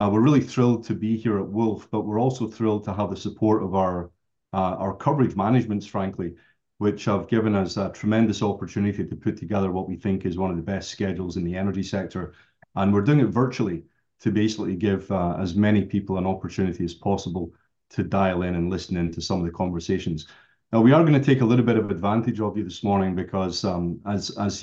We're really thrilled to be here at Wolfe, but we're also thrilled to have the support of our coverage managements, frankly, which have given us a tremendous opportunity to put together what we think is one of the best schedules in the energy sector, and we're doing it virtually to basically give as many people an opportunity as possible to dial in and listen in to some of the conversations. Now, we are going to take a little bit of advantage of you this morning because, as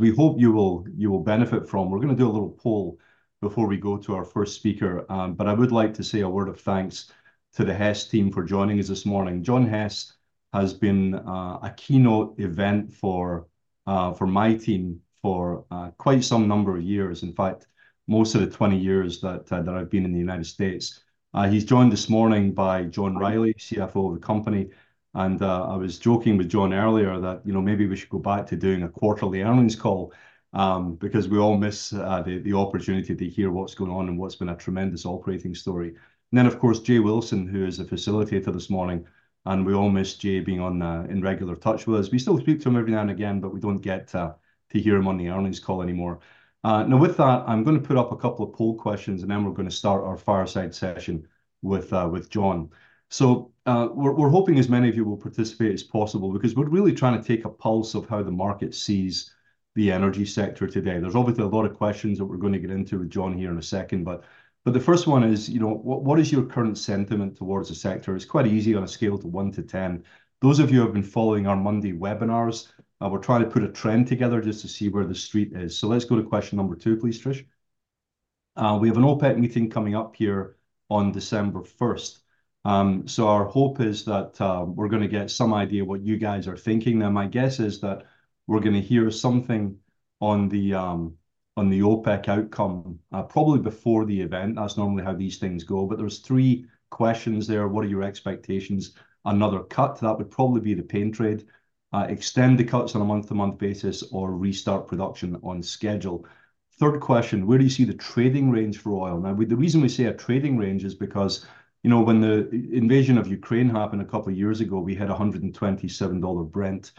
we hope you will benefit from, we're going to do a little poll before we go to our first speaker, but I would like to say a word of thanks to the Hess team for joining us this morning. John Hess has been a keynote event for my team for quite some number of years, in fact, most of the 20 years that I've been in the United States. He's joined this morning by John Rielly, CFO of the company, and I was joking with John earlier that, you know, maybe we should go back to doing a quarterly earnings call because we all miss the opportunity to hear what's going on and what's been a tremendous operating story, and then, of course, Jay Wilson, who is a facilitator this morning, and we all miss Jay being in regular touch with us. We still speak to him every now and again, but we don't get to hear him on the earnings call anymore. Now, with that, I'm going to put up a couple of poll questions, and then we're going to start our fireside session with John. So we're hoping as many of you will participate as possible because we're really trying to take a pulse of how the market sees the energy sector today. There's obviously a lot of questions that we're going to get into with John here in a second. But the first one is, you know, what is your current sentiment towards the sector? It's quite easy on a scale of 1 to 10. Those of you who have been following our Monday webinars, we're trying to put a trend together just to see where the Street is. So let's go to question number two, please, Trish. We have an OPEC meeting coming up here on December 1st. So our hope is that we're going to get some idea of what you guys are thinking. Now, my guess is that we're going to hear something on the OPEC outcome probably before the event. That's normally how these things go. But there's three questions there. What are your expectations? Another cut, that would probably be the pain trade. Extend the cuts on a month-to-month basis or restart production on schedule. Third question, where do you see the trading range for oil? Now, the reason we say a trading range is because, you know, when the invasion of Ukraine happened a couple of years ago, we hit $127 Brent.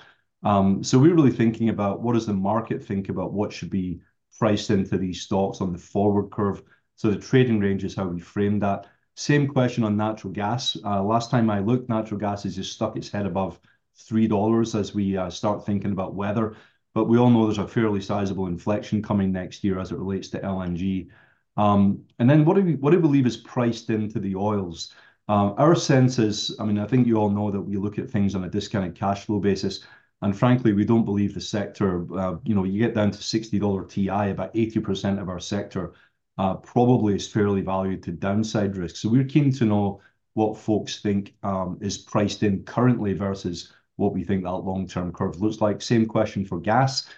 So we're really thinking about what does the market think about what should be priced into these stocks on the forward curve. So the trading range is how we frame that. Same question on natural gas. Last time I looked, natural gas has just stuck its head above $3 as we start thinking about weather. But we all know there's a fairly sizable inflection coming next year as it relates to LNG. And then what do we believe is priced into the oils? Our sense is, I mean, I think you all know that we look at things on a discounted cash flow basis. And frankly, we don't believe the sector, you know, you get down to $60 WTI, about 80% of our sector probably is fairly valued to downside risk. So we're keen to know what folks think is priced in currently versus what we think that long-term curve looks like. Same question for gas,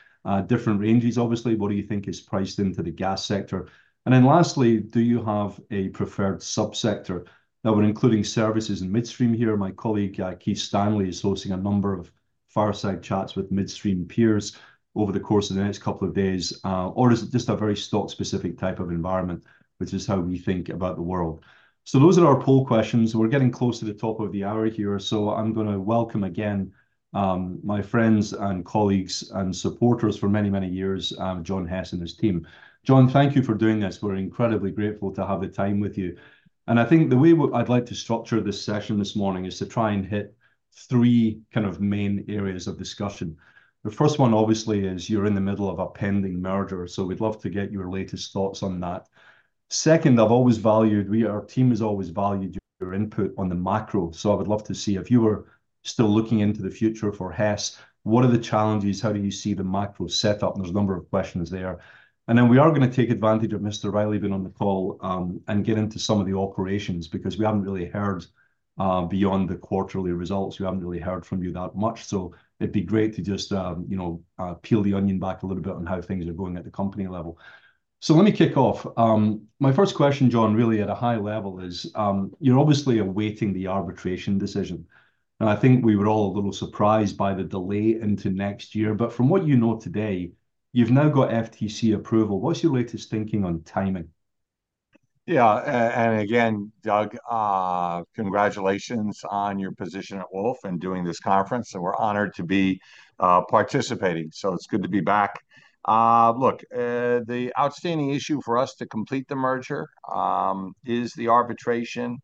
different ranges, obviously. What do you think is priced into the gas sector? And then lastly, do you have a preferred subsector? Now, we're including services and midstream here. My colleague, Keith Stanley, is hosting a number of fireside chats with midstream peers over the course of the next couple of days. Or is it just a very stock-specific type of environment, which is how we think about the world? So those are our poll questions. We're getting close to the top of the hour here. So I'm going to welcome again my friends and colleagues and supporters for many, many years, John Hess and his team. John, thank you for doing this. We're incredibly grateful to have the time with you. And I think the way I'd like to structure this session this morning is to try and hit three kind of main areas of discussion. The first one, obviously, is you're in the middle of a pending merger. So we'd love to get your latest thoughts on that. Second, I've always valued, our team has always valued your input on the macro. So I would love to see if you were still looking into the future for Hess, what are the challenges? How do you see the macro setup? There's a number of questions there, and then we are going to take advantage of Mr. Rielly being on the call and get into some of the operations because we haven't really heard beyond the quarterly results. We haven't really heard from you that much, so it'd be great to just, you know, peel the onion back a little bit on how things are going at the company level, so let me kick off. My first question, John, really at a high level is you're obviously awaiting the arbitration decision, and I think we were all a little surprised by the delay into next year. But from what you know today, you've now got FTC approval. What's your latest thinking on timing? Yeah. And again, Doug, congratulations on your position at Wolfe and doing this conference. And we're honored to be participating. So it's good to be back. Look, the outstanding issue for us to complete the merger is the arbitration.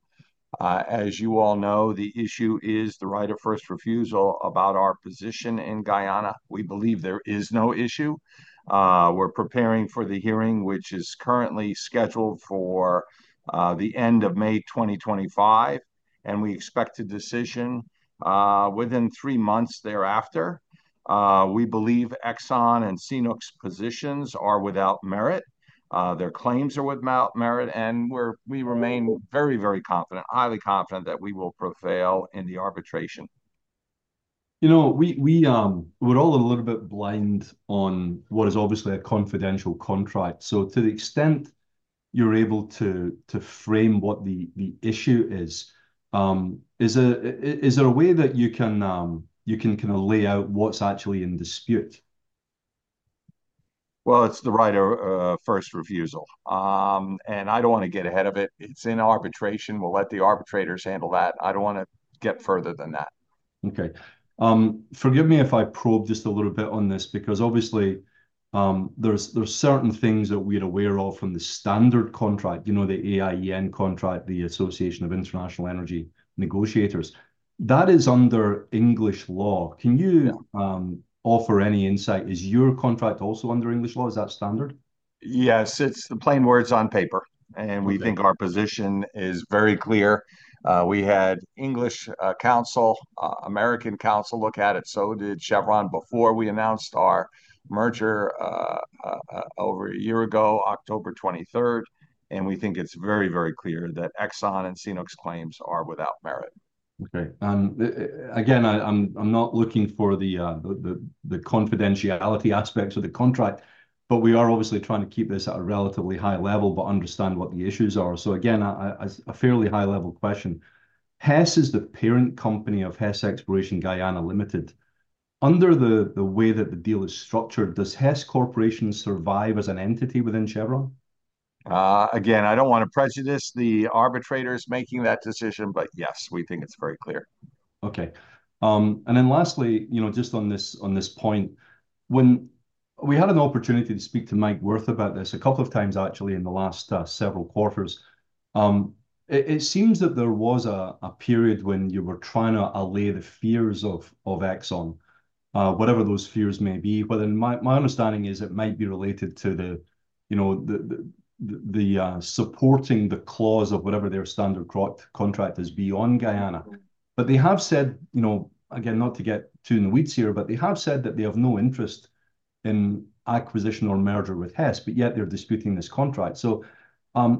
As you all know, the issue is the right of first refusal about our position in Guyana. We believe there is no issue. We're preparing for the hearing, which is currently scheduled for the end of May 2025. And we expect a decision within three months thereafter. We believe Exxon and CNOOC positions are without merit. Their claims are without merit. And we remain very, very confident, highly confident that we will prevail in the arbitration. You know, we're all a little bit blind on what is obviously a confidential contract. So to the extent you're able to frame what the issue is, is there a way that you can kind of lay out what's actually in dispute? It's the right of first refusal. I don't want to get ahead of it. It's in arbitration. We'll let the arbitrators handle that. I don't want to get further than that. Okay. Forgive me if I probe just a little bit on this because obviously there's certain things that we're aware of from the standard contract, you know, the AIEN contract, the Association of International Energy Negotiators. That is under English law. Can you offer any insight? Is your contract also under English law? Is that standard? Yes. It's the plain words on paper, and we think our position is very clear. We had English counsel, American counsel look at it. So did Chevron before we announced our merger over a year ago, October 23rd, and we think it's very, very clear that Exxon and CNOOC claims are without merit. Okay. Again, I'm not looking for the confidentiality aspects of the contract, but we are obviously trying to keep this at a relatively high level, but understand what the issues are. So again, a fairly high-level question. Hess is the parent company of Hess Guyana Exploration Limited. Under the way that the deal is structured, does Hess Corporation survive as an entity within Chevron? Again, I don't want to prejudice the arbitrators making that decision, but yes, we think it's very clear. Okay. And then lastly, you know, just on this point, when we had an opportunity to speak to Mike Wirth about this a couple of times, actually, in the last several quarters, it seems that there was a period when you were trying to allay the fears of Exxon, whatever those fears may be. But then my understanding is it might be related to the, you know, supporting the clause of whatever their standard contract is beyond Guyana. But they have said, you know, again, not to get too in the weeds here, but they have said that they have no interest in acquisition or merger with Hess, but yet they're disputing this contract. So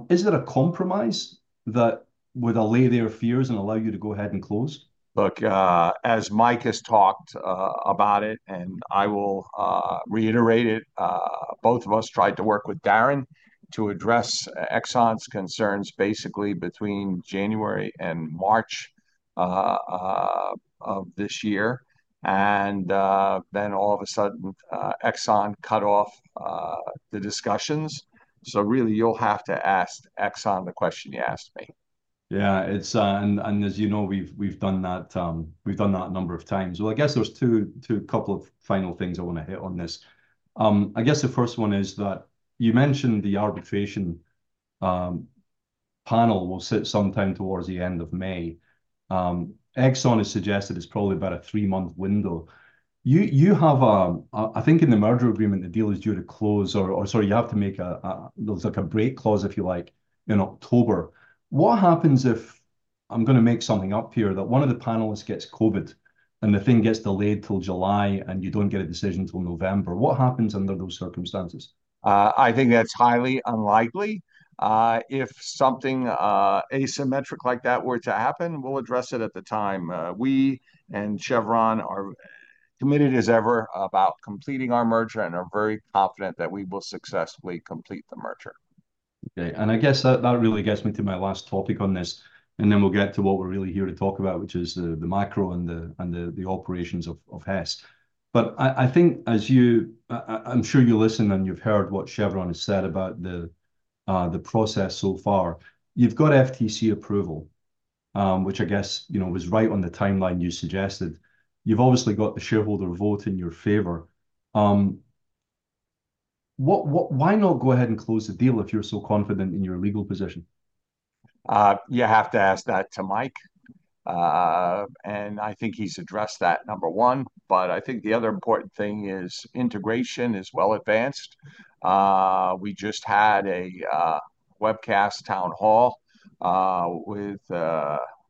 is there a compromise that would allay their fears and allow you to go ahead and close? Look, as Mike has talked about it, and I will reiterate it, both of us tried to work with Darren to address Exxon's concerns basically between January and March of this year. And then all of a sudden, Exxon cut off the discussions. So really, you'll have to ask Exxon the question you asked me. Yeah. And as you know, we've done that a number of times. Well, I guess there's a couple of final things I want to hit on this. I guess the first one is that you mentioned the arbitration panel will sit sometime towards the end of May. Exxon has suggested it's probably about a three-month window. You have, I think, in the merger agreement, the deal is due to close, or sorry, you have to make a, there's like a break clause, if you like, in October. What happens if, I'm going to make something up here, that one of the panelists gets COVID and the thing gets delayed till July and you don't get a decision till November? What happens under those circumstances? I think that's highly unlikely. If something asymmetric like that were to happen, we'll address it at the time. We and Chevron are committed as ever about completing our merger and are very confident that we will successfully complete the merger. Okay. And I guess that really gets me to my last topic on this. And then we'll get to what we're really here to talk about, which is the macro and the operations of Hess. But I think, as you, I'm sure, you listen and you've heard what Chevron has said about the process so far. You've got FTC approval, which I guess, you know, was right on the timeline you suggested. You've obviously got the shareholder vote in your favor. Why not go ahead and close the deal if you're so confident in your legal position? You have to ask that to Mike, and I think he's addressed that, number one, but I think the other important thing is integration is well advanced. We just had a webcast town hall with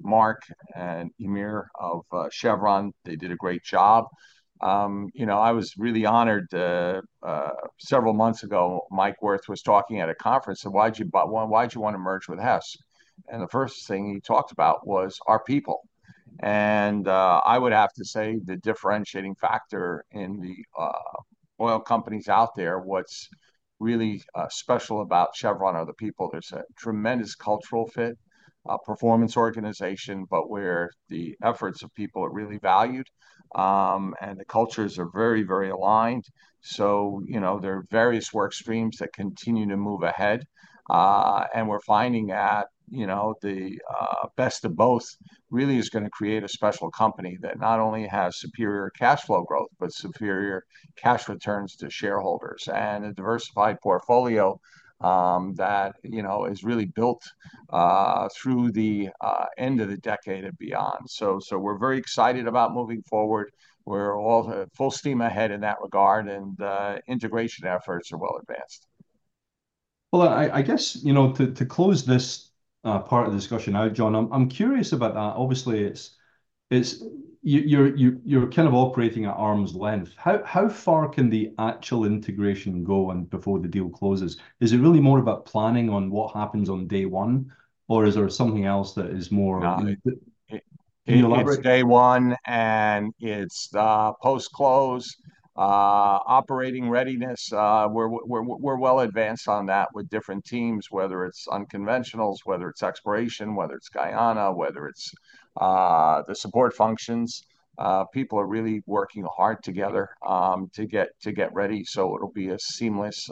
Mark and Eimear of Chevron. They did a great job. You know, I was really honored several months ago. Mike Wirth was talking at a conference [and] said, "Why did you want to merge with Hess?" and the first thing he talked about was our people, and I would have to say the differentiating factor in the oil companies out there, what's really special about Chevron are the people. There's a tremendous cultural fit, performance organization, but where the efforts of people are really valued, and the cultures are very, very aligned, so you know, there are various work streams that continue to move ahead. And we're finding that, you know, the best of both really is going to create a special company that not only has superior cash flow growth, but superior cash returns to shareholders and a diversified portfolio that, you know, is really built through the end of the decade and beyond. So we're very excited about moving forward. We're all full steam ahead in that regard. And integration efforts are well advanced. Well, I guess, you know, to close this part of the discussion out, John. I'm curious about, obviously, you're kind of operating at arm's length. How far can the actual integration go before the deal closes? Is it really more about planning on what happens on day one, or is there something else that is more? It's Day One and it's post-close operating readiness. We're well advanced on that with different teams, whether it's unconventionals, whether it's exploration, whether it's Guyana, whether it's the support functions. People are really working hard together to get ready. So it'll be a seamless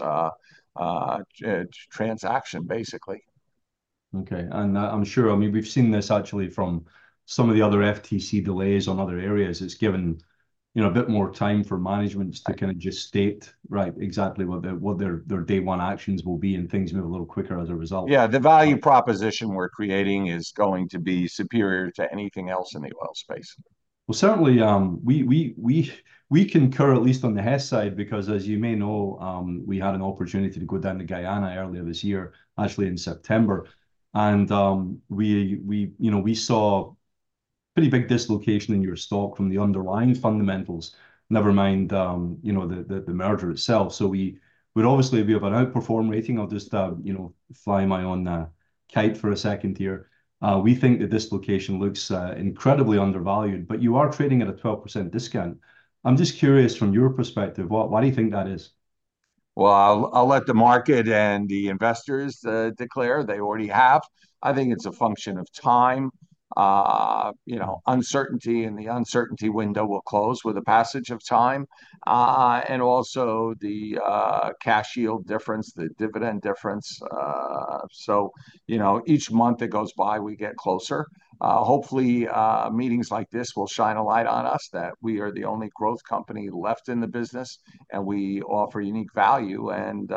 transaction, basically. Okay. And I'm sure, I mean, we've seen this actually from some of the other FTC delays on other areas. It's given, you know, a bit more time for management to kind of just state, right, exactly what their day one actions will be and things move a little quicker as a result. Yeah. The value proposition we're creating is going to be superior to anything else in the oil space. Certainly, we concur at least on the Hess side because, as you may know, we had an opportunity to go down to Guyana earlier this year, actually in September. We, you know, we saw a pretty big dislocation in your stock from the underlying fundamentals, never mind, you know, the merger itself. We would obviously be of an outperform rating. I'll just, you know, fly my own kite for a second here. We think the dislocation looks incredibly undervalued, but you are trading at a 12% discount. I'm just curious from your perspective, why do you think that is? I'll let the market and the investors declare they already have. I think it's a function of time. You know, uncertainty and the uncertainty window will close with the passage of time, and also the cash yield difference, the dividend difference, so you know, each month that goes by, we get closer. Hopefully, meetings like this will shine a light on us that we are the only growth company left in the business and we offer unique value, and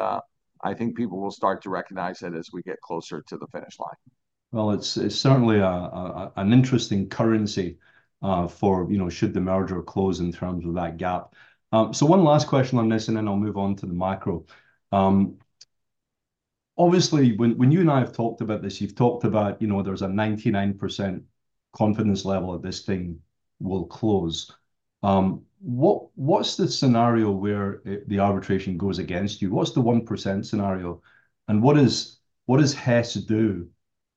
I think people will start to recognize that as we get closer to the finish line. Well, it's certainly an interesting currency for, you know, should the merger close in terms of that gap. So one last question on this, and then I'll move on to the macro. Obviously, when you and I have talked about this, you've talked about, you know, there's a 99% confidence level that this thing will close. What's the scenario where the arbitration goes against you? What's the 1% scenario? And what does Hess do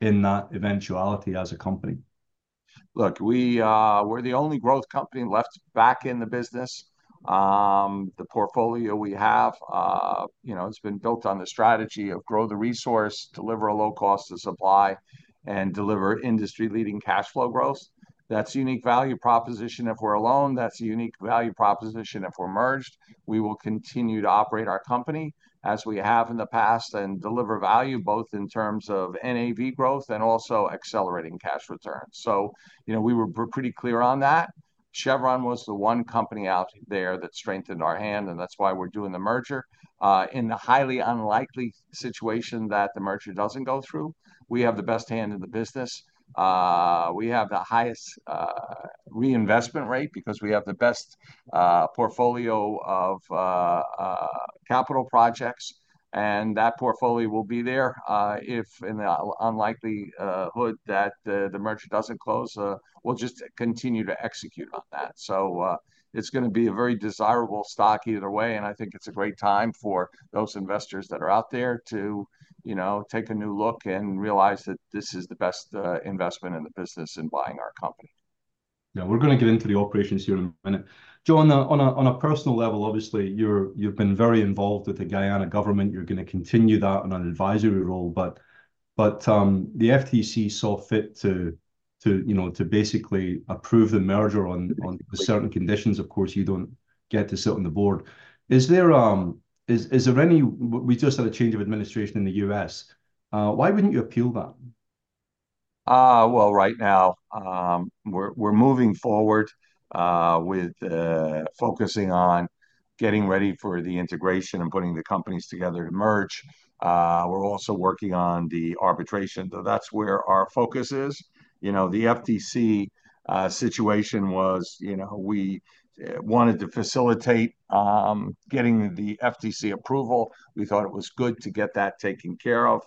in that eventuality as a company? Look, we're the only growth company left in the business. The portfolio we have, you know, has been built on the strategy of grow the resource, deliver a low cost of supply, and deliver industry-leading cash flow growth. That's unique value proposition if we're alone. That's a unique value proposition if we're merged. We will continue to operate our company as we have in the past and deliver value both in terms of NAV growth and also accelerating cash return. So, you know, we were pretty clear on that. Chevron was the one company out there that strengthened our hand, and that's why we're doing the merger. In the highly unlikely situation that the merger doesn't go through, we have the best hand in the business. We have the highest reinvestment rate because we have the best portfolio of capital projects. That portfolio will be there if, in the unlikelihood that the merger doesn't close, we'll just continue to execute on that. It's going to be a very desirable stock either way. I think it's a great time for those investors that are out there to, you know, take a new look and realize that this is the best investment in the business in buying our company. Yeah. We're going to get into the operations here in a minute. John, on a personal level, obviously, you've been very involved with the Guyana government. You're going to continue that on an advisory role. But the FTC saw fit to, you know, to basically approve the merger on certain conditions. Of course, you don't get to sit on the board. Is there any? We just had a change of administration in the U.S. Why wouldn't you appeal that? Right now, we're moving forward with focusing on getting ready for the integration and putting the companies together to merge. We're also working on the arbitration. So that's where our focus is. You know, the FTC situation was, you know, we wanted to facilitate getting the FTC approval. We thought it was good to get that taken care of.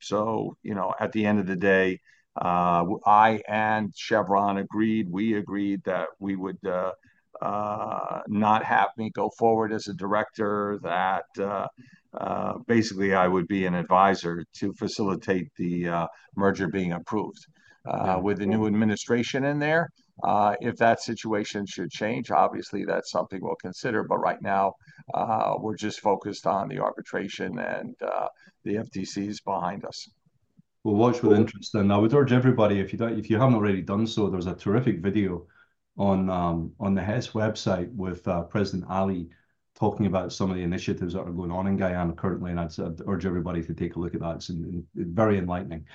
So, you know, at the end of the day, I and Chevron agreed. We agreed that we would not have me go forward as a director, that basically I would be an advisor to facilitate the merger being approved with the new administration in there. If that situation should change, obviously that's something we'll consider. But right now, we're just focused on the arbitration and the FTC is behind us. We'll watch with interest, and I would urge everybody, if you haven't already done so, there's a terrific video on the Hess website with President Ali talking about some of the initiatives that are going on in Guyana currently, and I'd urge everybody to take a look at that. It's very enlightening.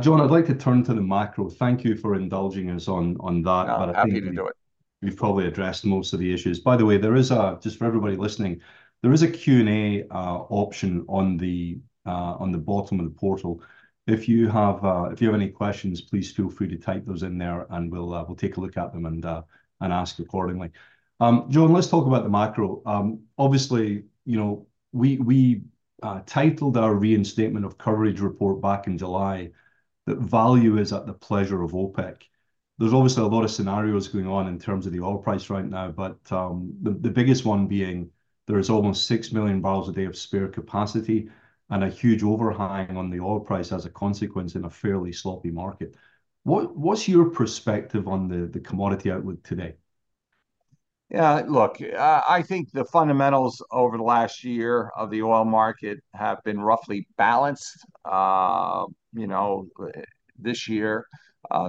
John, I'd like to turn to the macro. Thank you for indulging us on that. Happy to do it. You've probably addressed most of the issues. By the way, just for everybody listening, there is a Q&A option on the bottom of the portal. If you have any questions, please feel free to type those in there and we'll take a look at them and ask accordingly. John, let's talk about the macro. Obviously, you know, we titled our reinstatement of coverage report back in July that value is at the pleasure of OPEC. There's obviously a lot of scenarios going on in terms of the oil price right now, but the biggest one being there is almost six million barrels a day of spare capacity and a huge overhang on the oil price as a consequence in a fairly sloppy market. What's your perspective on the commodity outlook today? Yeah, look, I think the fundamentals over the last year of the oil market have been roughly balanced. You know, this year,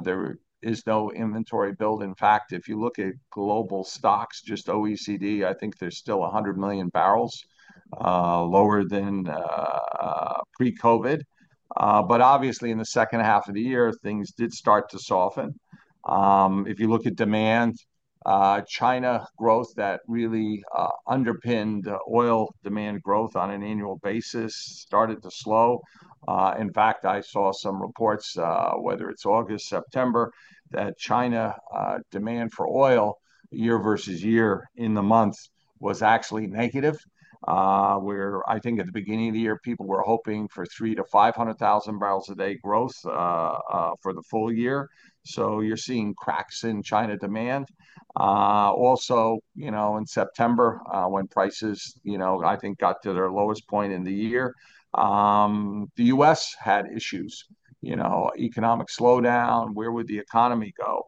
there is no inventory build. In fact, if you look at global stocks, just OECD, I think there's still 100 million barrels lower than pre-COVID. But obviously, in the second half of the year, things did start to soften. If you look at demand, China growth that really underpinned oil demand growth on an annual basis started to slow. In fact, I saw some reports, whether it's August, September, that China demand for oil year versus year in the month was actually negative, where I think at the beginning of the year, people were hoping for 3-500,000 barrels a day growth for the full year. So you're seeing cracks in China demand. Also, you know, in September, when prices, you know, I think got to their lowest point in the year, the U.S. had issues, you know, economic slowdown, where would the economy go?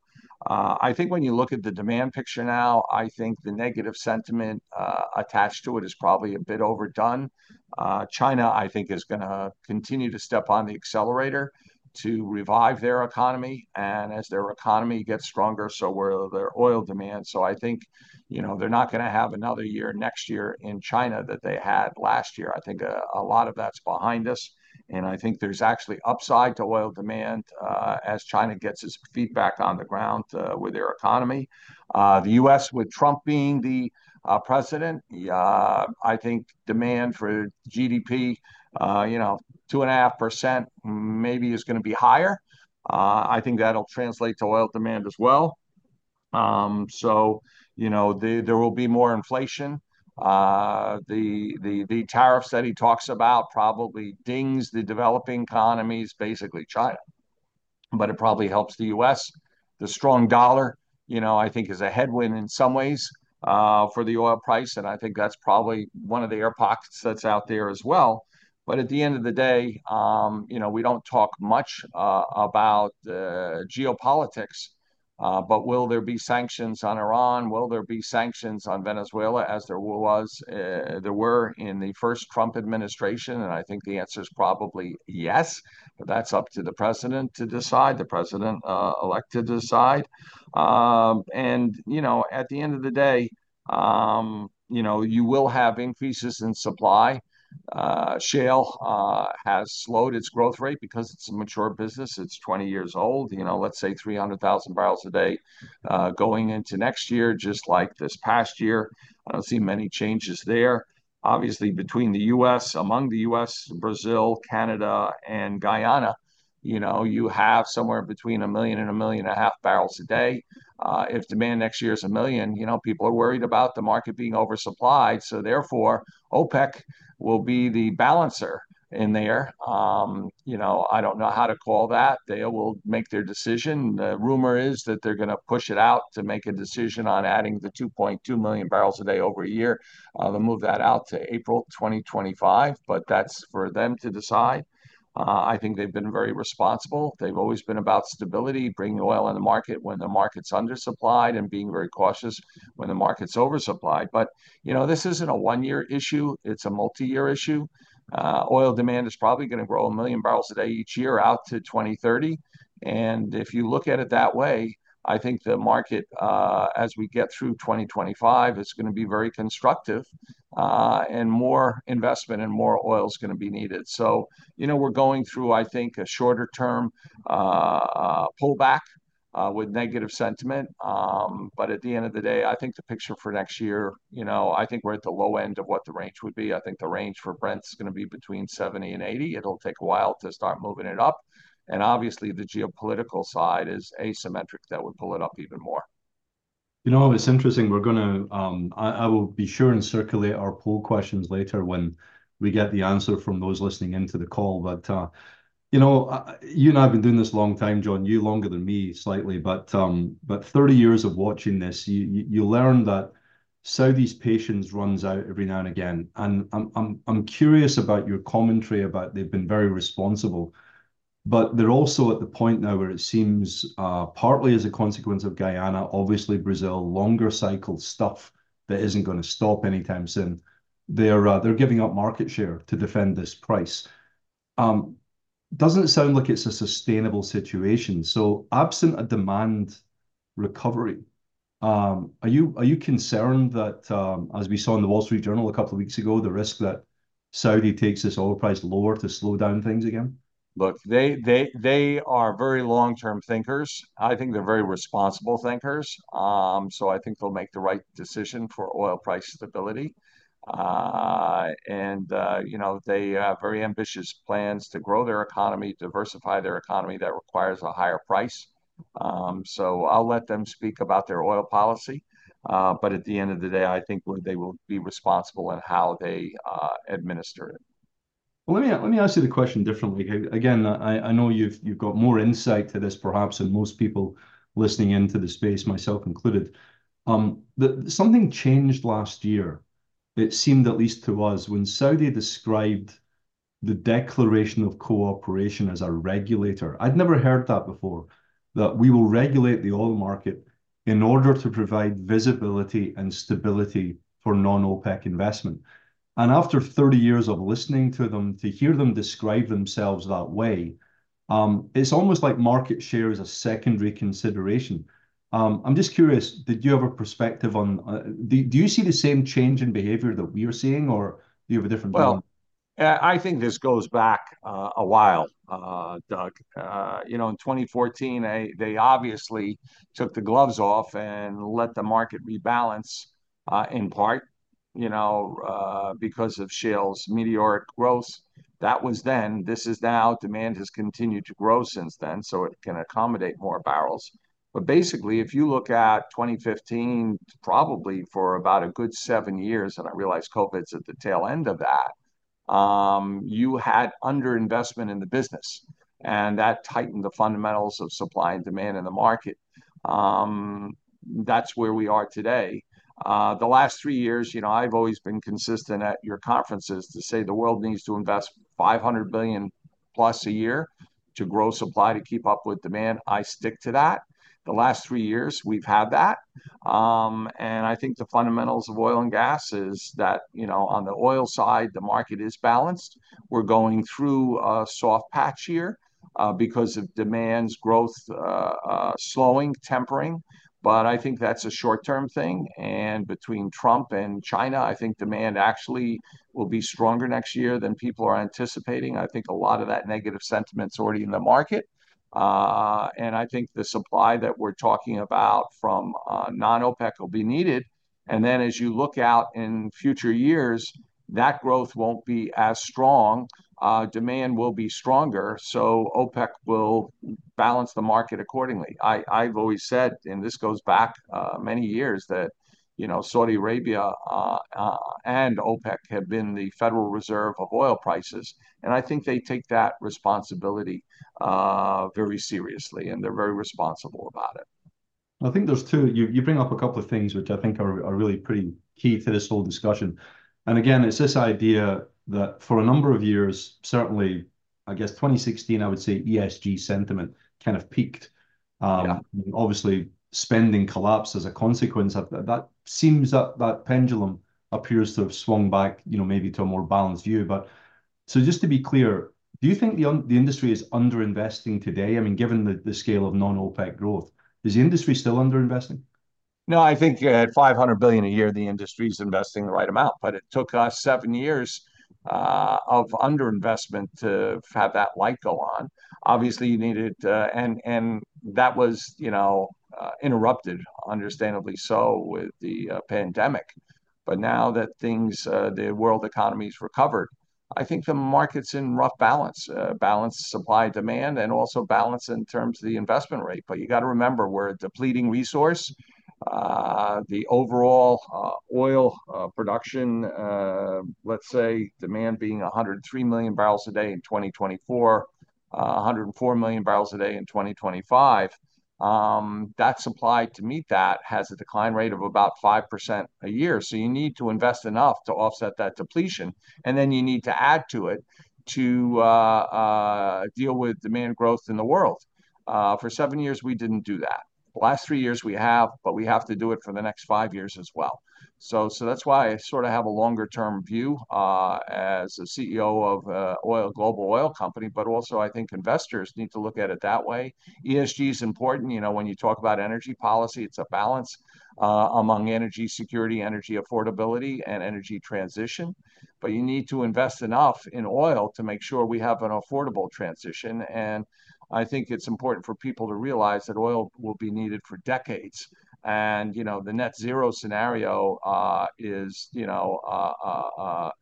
I think when you look at the demand picture now, I think the negative sentiment attached to it is probably a bit overdone. China, I think, is going to continue to step on the accelerator to revive their economy. And as their economy gets stronger, so will their oil demand. So I think, you know, they're not going to have another year next year in China that they had last year. I think a lot of that's behind us. And I think there's actually upside to oil demand as China gets its feedback on the ground with their economy. The U.S., with Trump being the president, I think demand for GDP, you know, 2.5% maybe is going to be higher. I think that'll translate to oil demand as well, so you know, there will be more inflation. The tariffs that he talks about probably dings the developing economies, basically China, but it probably helps the U.S. The strong dollar, you know, I think is a headwind in some ways for the oil price, and I think that's probably one of the air pockets that's out there as well, but at the end of the day, you know, we don't talk much about geopolitics. Will there be sanctions on Iran? Will there be sanctions on Venezuela as there were in the first Trump administration, and I think the answer is probably yes, but that's up to the president-elect to decide. You know, at the end of the day, you know, you will have increases in supply. Shale has slowed its growth rate because it's a mature business. It's 20 years old, you know, let's say 300,000 barrels a day going into next year, just like this past year. I don't see many changes there. Obviously, between the U.S., among the U.S., Brazil, Canada, and Guyana, you know, you have somewhere between 1 million and 1.5 million barrels a day. If demand next year is 1 million, you know, people are worried about the market being oversupplied. So therefore, OPEC will be the balancer in there. You know, I don't know how to call that. They will make their decision. The rumor is that they're going to push it out to make a decision on adding the 2.2 million barrels a day over a year. They'll move that out to April 2025, but that's for them to decide. I think they've been very responsible. They've always been about stability, bringing oil on the market when the market's undersupplied and being very cautious when the market's oversupplied, but, you know, this isn't a one-year issue. It's a multi-year issue. Oil demand is probably going to grow a million barrels a day each year out to 2030, and if you look at it that way, I think the market, as we get through 2025, is going to be very constructive and more investment and more oil is going to be needed, so, you know, we're going through, I think, a shorter-term pullback with negative sentiment, but at the end of the day, I think the picture for next year, you know, I think we're at the low end of what the range would be. I think the range for Brent is going to be between $70 and $80. It'll take a while to start moving it up, and obviously, the geopolitical side is asymmetric that would pull it up even more. You know, it's interesting. We're going to, I will be sure and circulate our poll questions later when we get the answer from those listening into the call. But, you know, you and I have been doing this a long time, John, you longer than me slightly, but 30 years of watching this, you learn that Saudi's patience runs out every now and again. And I'm curious about your commentary about they've been very responsible, but they're also at the point now where it seems partly as a consequence of Guyana, obviously Brazil, longer cycle stuff that isn't going to stop anytime soon. They're giving up market share to defend this price. Doesn't sound like it's a sustainable situation. So absent a demand recovery, are you concerned that, as we saw in the Wall Street Journal a couple of weeks ago, the risk that Saudi takes this oil price lower to slow down things again? Look, they are very long-term thinkers. I think they're very responsible thinkers. So I think they'll make the right decision for oil price stability. And, you know, they have very ambitious plans to grow their economy, diversify their economy that requires a higher price. So I'll let them speak about their oil policy. But at the end of the day, I think they will be responsible in how they administer it. Let me ask you the question differently. Again, I know you've got more insight to this, perhaps, and most people listening into the space, myself included. Something changed last year, it seemed at least to us, when Saudi described the Declaration of Cooperation as a regulator. I'd never heard that before, that we will regulate the oil market in order to provide visibility and stability for non-OPEC investment. And after 30 years of listening to them, to hear them describe themselves that way, it's almost like market share is a secondary consideration. I'm just curious, did you have a perspective on, do you see the same change in behavior that we are seeing, or do you have a different view? I think this goes back a while, Doug. You know, in 2014, they obviously took the gloves off and let the market rebalance in part, you know, because of shale's meteoric growth. That was then. This is now. Demand has continued to grow since then, so it can accommodate more barrels. But basically, if you look at 2015, probably for about a good seven years, and I realize COVID's at the tail end of that, you had underinvestment in the business. And that tightened the fundamentals of supply and demand in the market. That's where we are today. The last three years, you know, I've always been consistent at your conferences to say the world needs to invest $500 billion plus a year to grow supply to keep up with demand. I stick to that. The last three years, we've had that. I think the fundamentals of oil and gas is that, you know, on the oil side, the market is balanced. We're going through a soft patch here because of demand's growth slowing, tempering. I think that's a short-term thing. Between Trump and China, I think demand actually will be stronger next year than people are anticipating. I think a lot of that negative sentiment's already in the market. I think the supply that we're talking about from non-OPEC will be needed. Then as you look out in future years, that growth won't be as strong. Demand will be stronger. OPEC will balance the market accordingly. I've always said, and this goes back many years, that, you know, Saudi Arabia and OPEC have been the Federal Reserve of oil prices. I think they take that responsibility very seriously and they're very responsible about it. I think there's two. You bring up a couple of things which I think are really pretty key to this whole discussion, and again, it's this idea that for a number of years, certainly, I guess 2016, I would say ESG sentiment kind of peaked. Obviously, spending collapsed as a consequence. That seems the pendulum appears to have swung back, you know, maybe to a more balanced view. But so just to be clear, do you think the industry is underinvesting today? I mean, given the scale of non-OPEC growth, is the industry still underinvesting? No, I think at $500 billion a year, the industry's investing the right amount. But it took us seven years of underinvestment to have that light go on. Obviously, you needed, and that was, you know, interrupted, understandably so, with the pandemic. But now that things, the world economy's recovered, I think the market's in rough balance, balance supply-demand, and also balance in terms of the investment rate. But you got to remember we're a depleting resource. The overall oil production, let's say demand being 103 million barrels a day in 2024, 104 million barrels a day in 2025, that supply to meet that has a decline rate of about 5% a year. So you need to invest enough to offset that depletion. And then you need to add to it to deal with demand growth in the world. For seven years, we didn't do that. The last three years we have, but we have to do it for the next five years as well. So that's why I sort of have a longer-term view as a CEO of Global Oil Company. But also, I think investors need to look at it that way. ESG is important. You know, when you talk about energy policy, it's a balance among energy security, energy affordability, and energy transition. But you need to invest enough in oil to make sure we have an affordable transition. And I think it's important for people to realize that oil will be needed for decades. And, you know, the Net Zero Scenario is, you know,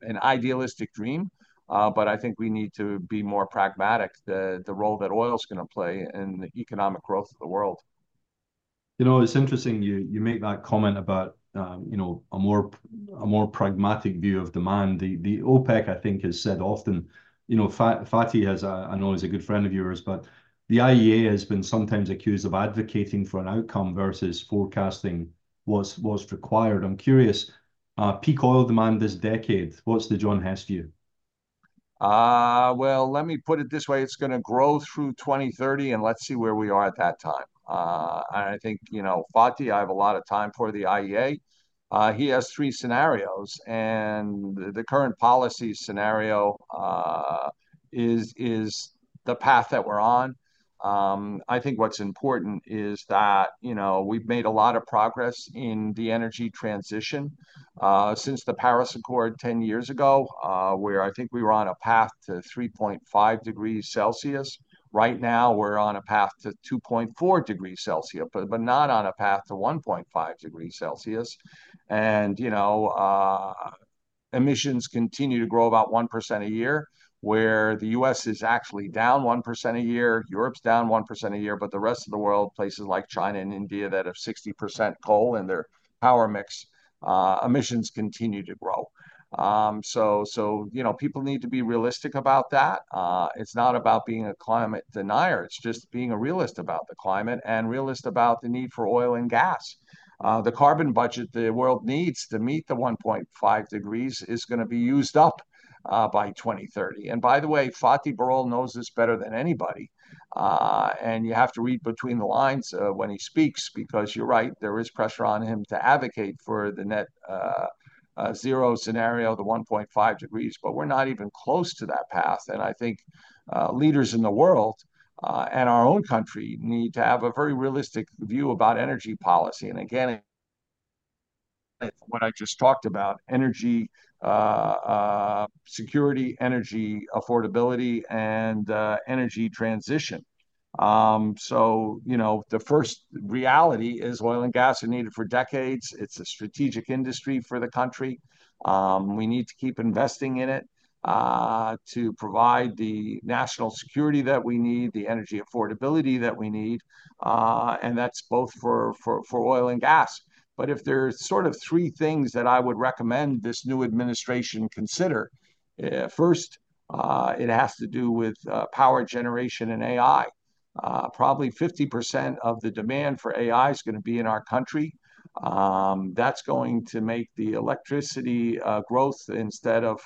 an idealistic dream. But I think we need to be more pragmatic the role that oil's going to play in the economic growth of the world. You know, it's interesting you make that comment about, you know, a more pragmatic view of demand. The OPEC, I think, has said often, you know, Fatih has a, I know he's a good friend of yours, but the IEA has been sometimes accused of advocating for an outcome versus forecasting what's required. I'm curious, peak oil demand this decade, what's the John Hess view? Let me put it this way. It's going to grow through 2030, and let's see where we are at that time. I think, you know, Fatih, I have a lot of time for the IEA. He has three scenarios. The Current Policy Scenario is the path that we're on. I think what's important is that, you know, we've made a lot of progress in the energy transition since the Paris Accord 10 years ago, where I think we were on a path to 3.5 degrees Celsius. Right now, we're on a path to 2.4 degrees Celsius, but not on a path to 1.5 degrees Celsius. You know, emissions continue to grow about 1% a year, where the U.S. is actually down 1% a year, Europe's down 1% a year, but the rest of the world, places like China and India that have 60% coal in their power mix, emissions continue to grow. So, you know, people need to be realistic about that. It's not about being a climate denier. It's just being a realist about the climate and realist about the need for oil and gas. The carbon budget the world needs to meet the 1.5 degrees is going to be used up by 2030. And by the way, Fatih Birol knows this better than anybody. And you have to read between the lines when he speaks because you're right. There is pressure on him to advocate for the Net Zero Scenario, the 1.5 degrees. But we're not even close to that path. I think leaders in the world and our own country need to have a very realistic view about energy policy. Again, it's what I just talked about, energy security, energy affordability, and energy transition. You know, the first reality is oil and gas are needed for decades. It's a strategic industry for the country. We need to keep investing in it to provide the national security that we need, the energy affordability that we need. That's both for oil and gas. If there's sort of three things that I would recommend this new administration consider, first, it has to do with power generation and AI. Probably 50% of the demand for AI is going to be in our country. That's going to make the electricity growth instead of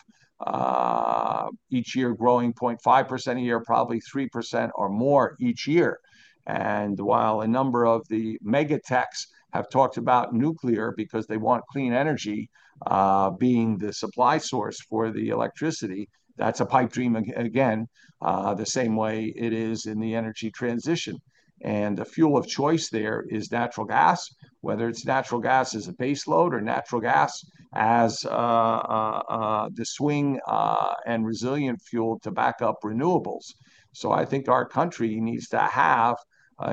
each year growing 0.5% a year, probably 3% or more each year. While a number of the mega techs have talked about nuclear because they want clean energy being the supply source for the electricity, that's a pipe dream again, the same way it is in the energy transition. The fuel of choice there is natural gas, whether it's natural gas as a baseload or natural gas as the swing and resilient fuel to back up renewables. I think our country needs to have,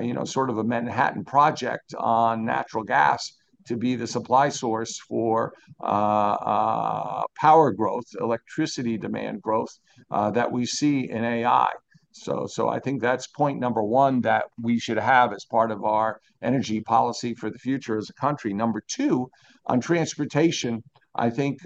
you know, sort of a Manhattan Project on natural gas to be the supply source for power growth, electricity demand growth that we see in AI. I think that's point number one that we should have as part of our energy policy for the future as a country. Number two, on transportation, I think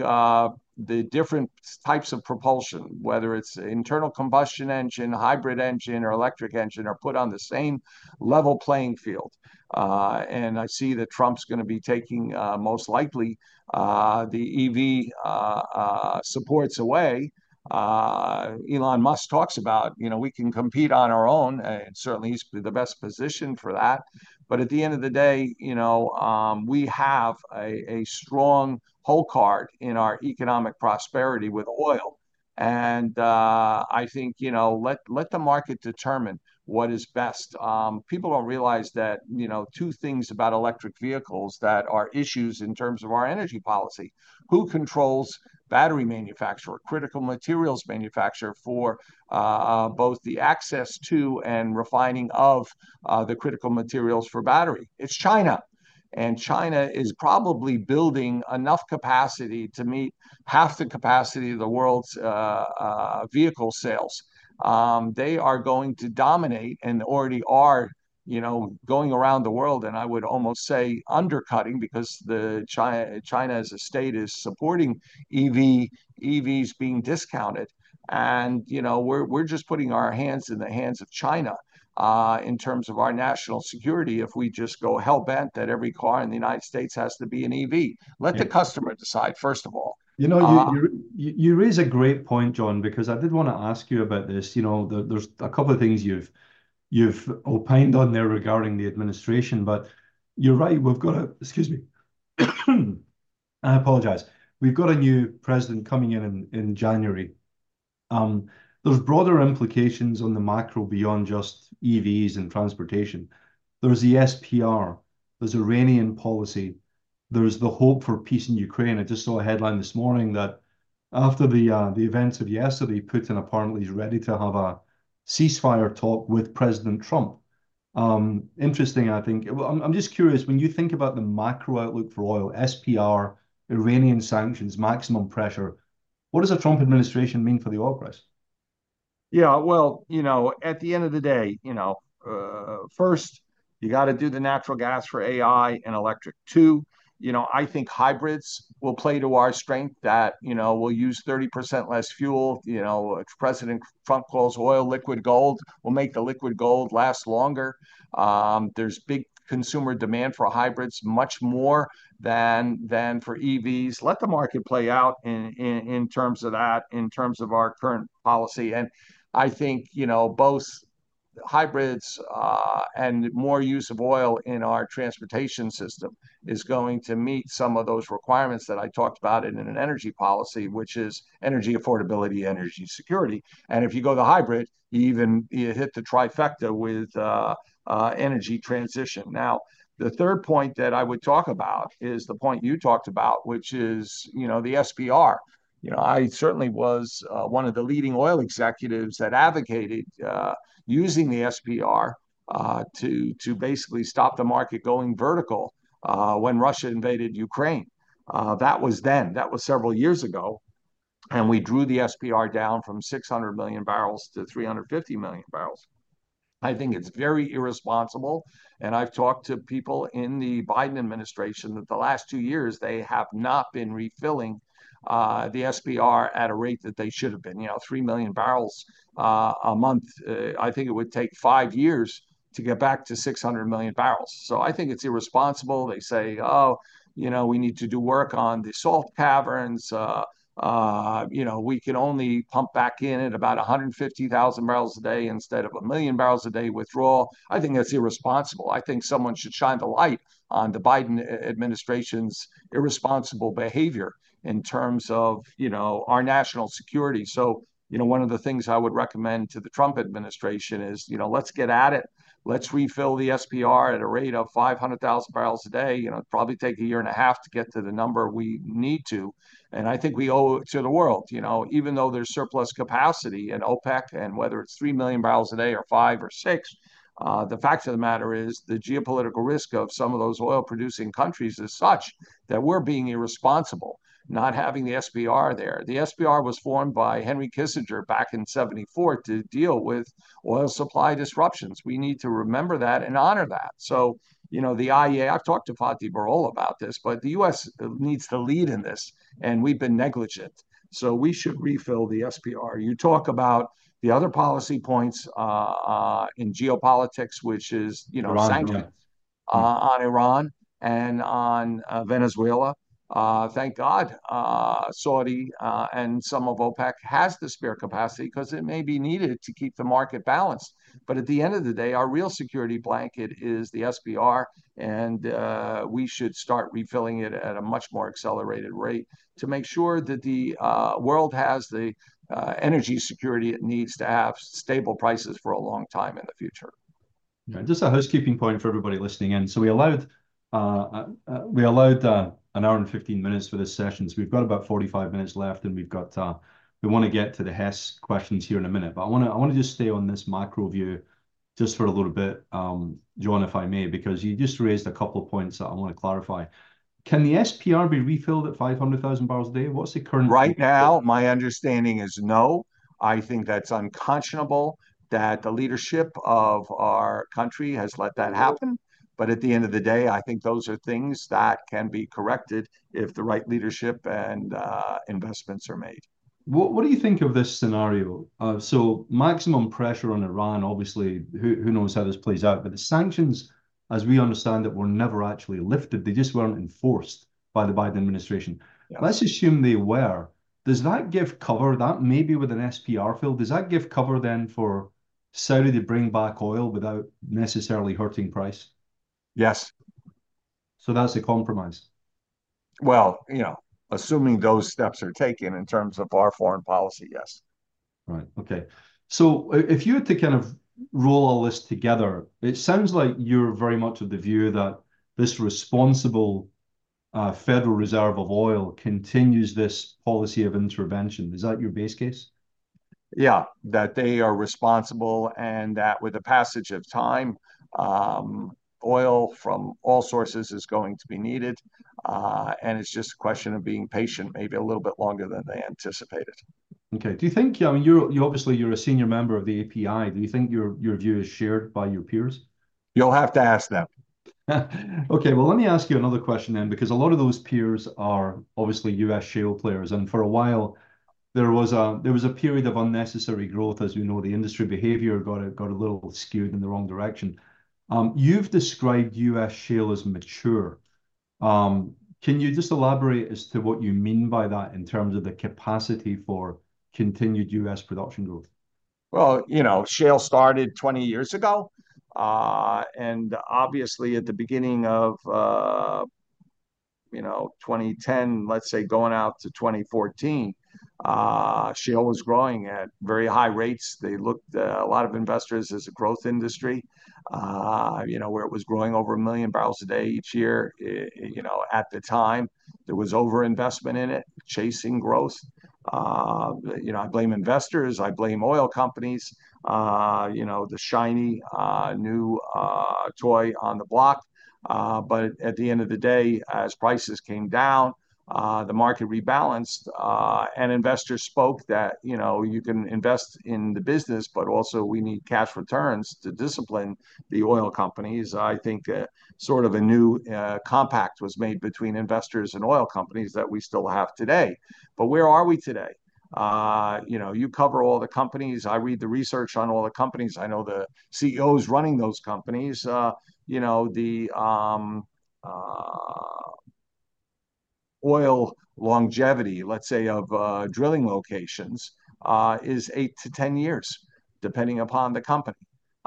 the different types of propulsion, whether it's internal combustion engine, hybrid engine, or electric engine, are put on the same level playing field. And I see that Trump's going to be taking most likely the EV supports away. Elon Musk talks about, you know, we can compete on our own. And certainly, he's the best position for that. But at the end of the day, you know, we have a strong hole card in our economic prosperity with oil. And I think, you know, let the market determine what is best. People don't realize that, you know, two things about electric vehicles that are issues in terms of our energy policy. Who controls battery manufacturer, critical materials manufacturer for both the access to and refining of the critical materials for battery? It's China. China is probably building enough capacity to meet half the capacity of the world's vehicle sales. They are going to dominate and already are, you know, going around the world. I would almost say undercutting because China as a state is supporting EVs being discounted. You know, we're just putting our hands in the hands of China in terms of our national security if we just go hell bent that every car in the United States has to be an EV. Let the customer decide, first of all. You know, you raise a great point, John, because I did want to ask you about this. You know, there's a couple of things you've opined on there regarding the administration. But you're right. We've got a, excuse me, I apologize. We've got a new president coming in in January. There's broader implications on the macro beyond just EVs and transportation. There's SPR. There's Iranian policy. There's the hope for peace in Ukraine. I just saw a headline this morning that after the events of yesterday, Putin apparently is ready to have a ceasefire talk with President Trump. Interesting, I think. I'm just curious, when you think about the macro outlook for oil, SPR, Iranian sanctions, maximum pressure, what does the Trump administration mean for the oil price? Yeah, well, you know, at the end of the day, you know, first, you got to do the natural gas for AI and electric. Two, you know, I think hybrids will play to our strength that, you know, we'll use 30% less fuel. You know, President Trump calls oil liquid gold. We'll make the liquid gold last longer. There's big consumer demand for hybrids, much more than for EVs. Let the market play out in terms of that, in terms of our current policy. And I think, you know, both hybrids and more use of oil in our transportation system is going to meet some of those requirements that I talked about in an energy policy, which is energy affordability, energy security. And if you go the hybrid, you even hit the trifecta with energy transition. Now, the third point that I would talk about is the point you talked about, which is, you know, the SPR. You know, I certainly was one of the leading oil executives that advocated using the SPR to basically stop the market going vertical when Russia invaded Ukraine. That was then. That was several years ago. And we drew the SPR down from 600 million barrels to 350 million barrels. I think it's very irresponsible. And I've talked to people in the Biden administration that the last two years, they have not been refilling the SPR at a rate that they should have been. You know, 3 million barrels a month, I think it would take five years to get back to 600 million barrels. So I think it's irresponsible. They say, oh, you know, we need to do work on the salt caverns. You know, we can only pump back in at about 150,000 barrels a day instead of a million barrels a day withdrawal. I think that's irresponsible. I think someone should shine the light on the Biden administration's irresponsible behavior in terms of, you know, our national security, so you know, one of the things I would recommend to the Trump administration is, you know, let's get at it. Let's refill the SPR at a rate of 500,000 barrels a day. You know, it'll probably take a year and a half to get to the number we need to. And I think we owe it to the world, you know, even though there's surplus capacity in OPEC and whether it's three million barrels a day or five or six, the fact of the matter is the geopolitical risk of some of those oil-producing countries is such that we're being irresponsible, not having the SPR there. The SPR was formed by Henry Kissinger back in 1974 to deal with oil supply disruptions. We need to remember that and honor that. So, you know, the IEA, I've talked to Fatih Birol about this, but the U.S. needs to lead in this. And we've been negligent. So we should refill the SPR. You talk about the other policy points in geopolitics, which is, you know, sanctions on Iran and on Venezuela. Thank God Saudi and some of OPEC has the spare capacity because it may be needed to keep the market balanced. But at the end of the day, our real security blanket is the SPR. And we should start refilling it at a much more accelerated rate to make sure that the world has the energy security it needs to have stable prices for a long time in the future. Just a housekeeping point for everybody listening in. So we allowed an hour and 15 minutes for this session. So we've got about 45 minutes left. And we've got, we want to get to the Hess questions here in a minute. But I want to, I want to just stay on this macro view just for a little bit, John, if I may, because you just raised a couple of points that I want to clarify. Can the SPR be refilled at 500,000 barrels a day? What's the current? Right now, my understanding is no. I think that's unconscionable that the leadership of our country has let that happen. But at the end of the day, I think those are things that can be corrected if the right leadership and investments are made. What do you think of this scenario? So maximum pressure on Iran, obviously, who knows how this plays out. But the sanctions, as we understand it, were never actually lifted. They just weren't enforced by the Biden administration. Let's assume they were. Does that give cover? That may be with an SPR fill. Does that give cover then for Saudi to bring back oil without necessarily hurting price? Yes. That's a compromise. You know, assuming those steps are taken in terms of our foreign policy, yes. Right. Okay. So if you had to kind of roll all this together, it sounds like you're very much of the view that this so-called Federal Reserve of oil continues this policy of intervention. Is that your base case? Yeah, that they are responsible and that with the passage of time, oil from all sources is going to be needed, and it's just a question of being patient, maybe a little bit longer than they anticipated. Okay. Do you think, I mean, you're obviously a senior member of the API. Do you think your view is shared by your peers? You'll have to ask them. Okay. Well, let me ask you another question then, because a lot of those peers are obviously U.S. shale players. And for a while, there was a period of unnecessary growth, as you know, the industry behavior got a little skewed in the wrong direction. You've described U.S. shale as mature. Can you just elaborate as to what you mean by that in terms of the capacity for continued U.S. production growth? You know, shale started 20 years ago. And obviously, at the beginning of, you know, 2010, let's say going out to 2014, shale was growing at very high rates. They looked at a lot of investors as a growth industry, you know, where it was growing over a million barrels a day each year. You know, at the time, there was overinvestment in it, chasing growth. You know, I blame investors. I blame oil companies, you know, the shiny new toy on the block. But at the end of the day, as prices came down, the market rebalanced. And investors spoke that, you know, you can invest in the business, but also we need cash returns to discipline the oil companies. I think sort of a new compact was made between investors and oil companies that we still have today. But where are we today? You know, you cover all the companies. I read the research on all the companies. I know the CEOs running those companies. You know, the oil longevity, let's say, of drilling locations is 8-10 years, depending upon the company.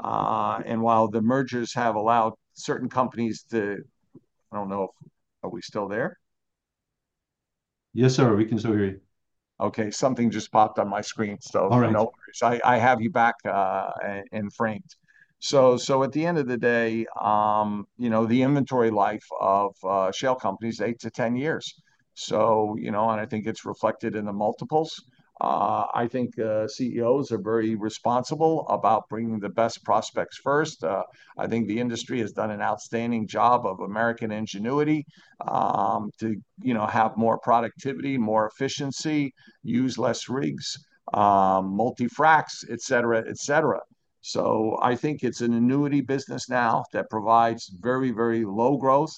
And while the mergers have allowed certain companies to, I don't know, are we still there? Yes, sir. We can still hear you. Okay. Something just popped on my screen. So no worries. I have you back and framed. So at the end of the day, you know, the inventory life of shale companies, eight-10 years. So, you know, and I think it's reflected in the multiples. I think CEOs are very responsible about bringing the best prospects first. I think the industry has done an outstanding job of American ingenuity to, you know, have more productivity, more efficiency, use less rigs, multi-fracs, et cetera, et cetera. So I think it's an annuity business now that provides very, very low growth.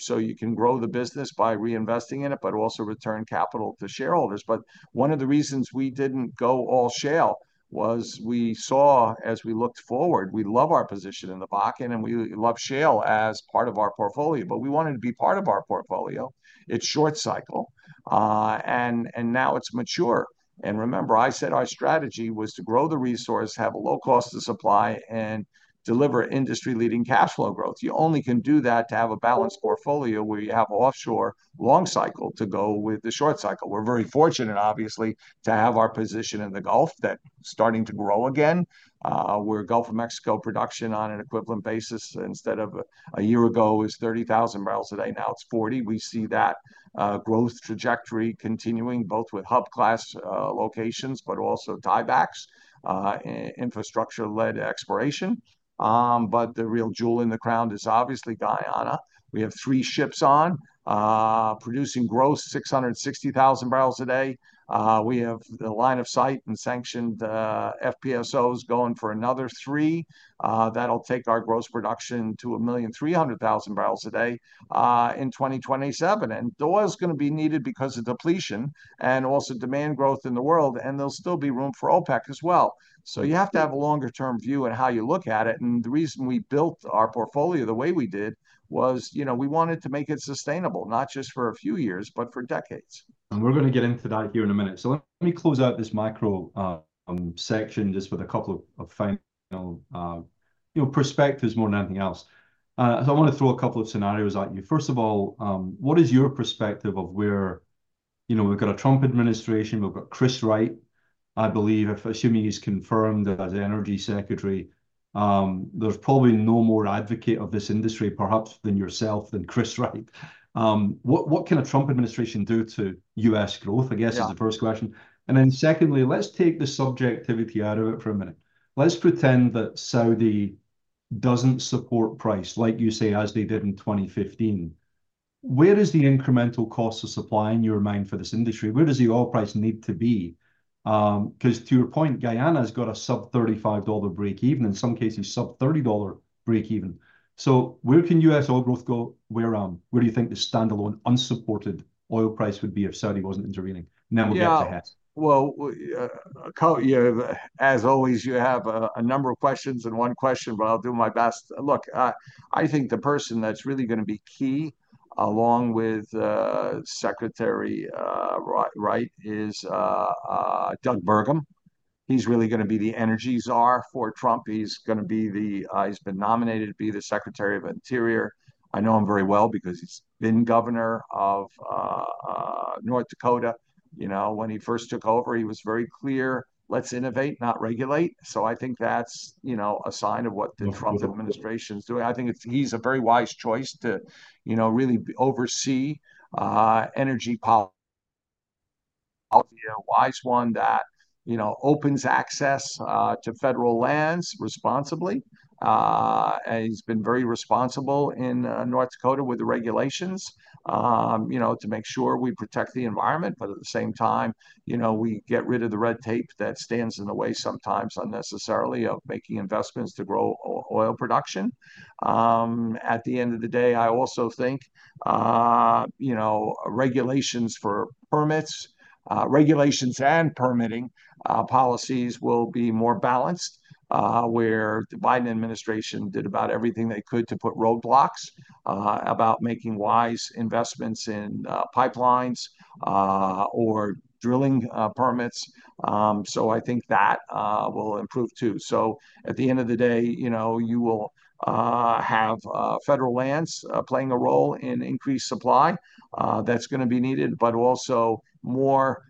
So you can grow the business by reinvesting in it, but also return capital to shareholders. But one of the reasons we didn't go all shale was we saw, as we looked forward, we love our position in the Bakken and we love shale as part of our portfolio, but we wanted to be part of our portfolio. It's short cycle. And now it's mature. And remember, I said our strategy was to grow the resource, have a low cost of supply, and deliver industry-leading cash flow growth. You only can do that to have a balanced portfolio where you have offshore long cycle to go with the short cycle. We're very fortunate, obviously, to have our position in the Gulf that's starting to grow again. Our Gulf of Mexico production on an equivalent basis instead of a year ago was 30,000 barrels a day. Now it's 40. We see that growth trajectory continuing both with hub class locations, but also tiebacks, infrastructure-led exploration. But the real jewel in the crown is obviously Guyana. We have three ships on producing gross 660,000 barrels a day. We have the line of sight and sanctioned FPSOs going for another three that'll take our gross production to 1.3 million barrels a day in 2027. And oil is going to be needed because of depletion and also demand growth in the world. And there'll still be room for OPEC as well. So you have to have a longer-term view on how you look at it. And the reason we built our portfolio the way we did was, you know, we wanted to make it sustainable, not just for a few years, but for decades. And we're going to get into that here in a minute. So let me close out this macro section just with a couple of final, you know, perspectives more than anything else. So I want to throw a couple of scenarios at you. First of all, what is your perspective of where, you know, we've got a Trump administration, we've got Chris Wright, I believe, assuming he's confirmed as Energy Secretary, there's probably no more advocate of this industry, perhaps than yourself, than Chris Wright. What can a Trump administration do to U.S. growth, I guess, is the first question. And then secondly, let's take the subjectivity out of it for a minute. Let's pretend that Saudi doesn't support price, like you say, as they did in 2015. Where is the incremental cost of supply in your mind for this industry? Where does the oil price need to be? Because to your point, Guyana has got a sub $35 breakeven, in some cases sub $30 breakeven. So where can U.S. oil growth go? Where do you think the standalone unsupported oil price would be if Saudi wasn't intervening? And then we'll get to Hess. Yeah. Well, as always, you have a number of questions and one question, but I'll do my best. Look, I think the person that's really going to be key along with Secretary Wright is Doug Burgum. He's really going to be the energy czar for Trump. He's going to be the; he's been nominated to be the Secretary of the Interior. I know him very well because he's been governor of North Dakota. You know, when he first took over, he was very clear: let's innovate, not regulate. So I think that's, you know, a sign of what the Trump administration is doing. I think he's a very wise choice to, you know, really oversee energy policy, a wise one that, you know, opens access to federal lands responsibly, and he's been very responsible in North Dakota with the regulations, you know, to make sure we protect the environment. But at the same time, you know, we get rid of the red tape that stands in the way sometimes unnecessarily of making investments to grow oil production. At the end of the day, I also think, you know, regulations for permits, regulations and permitting policies will be more balanced where the Biden administration did about everything they could to put roadblocks about making wise investments in pipelines or drilling permits. So I think that will improve too. So at the end of the day, you know, you will have federal lands playing a role in increased supply that's going to be needed, but also more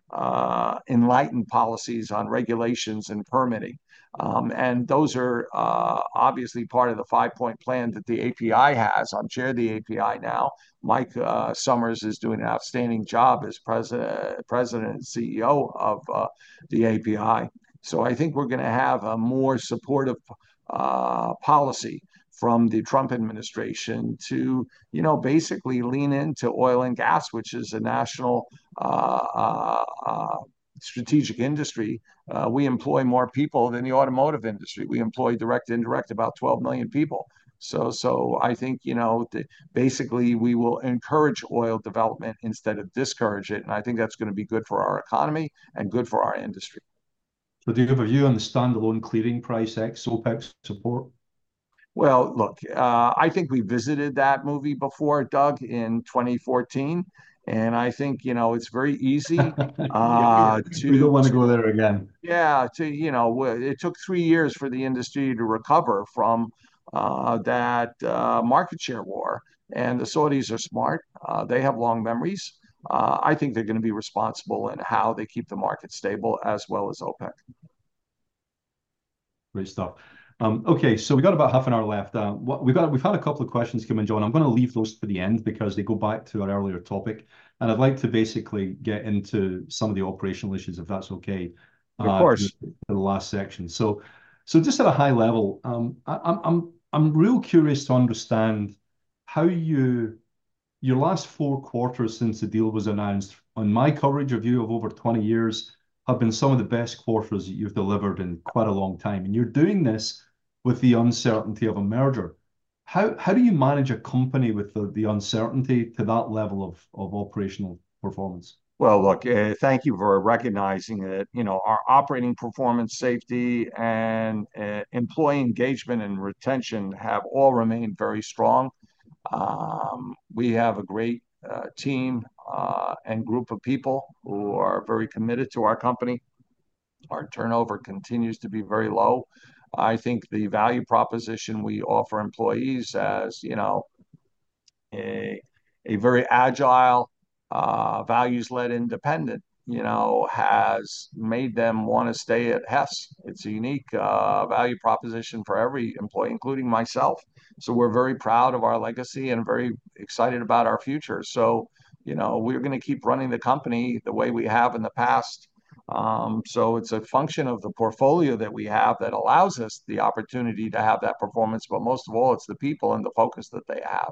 enlightened policies on regulations and permitting. And those are obviously part of the five-point plan that the API has. I'm Chair of the API now. Mike Sommers is doing an outstanding job as President and CEO of the API. So I think we're going to have a more supportive policy from the Trump administration to, you know, basically lean into oil and gas, which is a national strategic industry. We employ more people than the automotive industry. We employ direct and indirect about 12 million people. So I think, you know, basically we will encourage oil development instead of discourage it. And I think that's going to be good for our economy and good for our industry. But do you have a view on the standalone clearing price ex OPEC support? Look, I think we visited that movie before, Doug, in 2014. I think, you know, it's very easy to. We don't want to go there again. Yeah. You know, it took three years for the industry to recover from that market share war, and the Saudis are smart. They have long memories. I think they're going to be responsible in how they keep the market stable as well as OPEC. Great stuff. Okay. So we've got about half an hour left. We've had a couple of questions come in, John. I'm going to leave those for the end because they go back to our earlier topic. And I'd like to basically get into some of the operational issues, if that's okay? Of course. For the last section. So just at a high level, I'm real curious to understand how your last four quarters since the deal was announced, on my coverage of you of over 20 years, have been some of the best quarters that you've delivered in quite a long time. And you're doing this with the uncertainty of a merger. How do you manage a company with the uncertainty to that level of operational performance? Well, look, thank you for recognizing that, you know, our operating performance, safety, and employee engagement and retention have all remained very strong. We have a great team and group of people who are very committed to our company. Our turnover continues to be very low. I think the value proposition we offer employees as, you know, a very agile, values-led independent, you know, has made them want to stay at Hess. It's a unique value proposition for every employee, including myself. So we're very proud of our legacy and very excited about our future. So, you know, we're going to keep running the company the way we have in the past. So it's a function of the portfolio that we have that allows us the opportunity to have that performance. But most of all, it's the people and the focus that they have.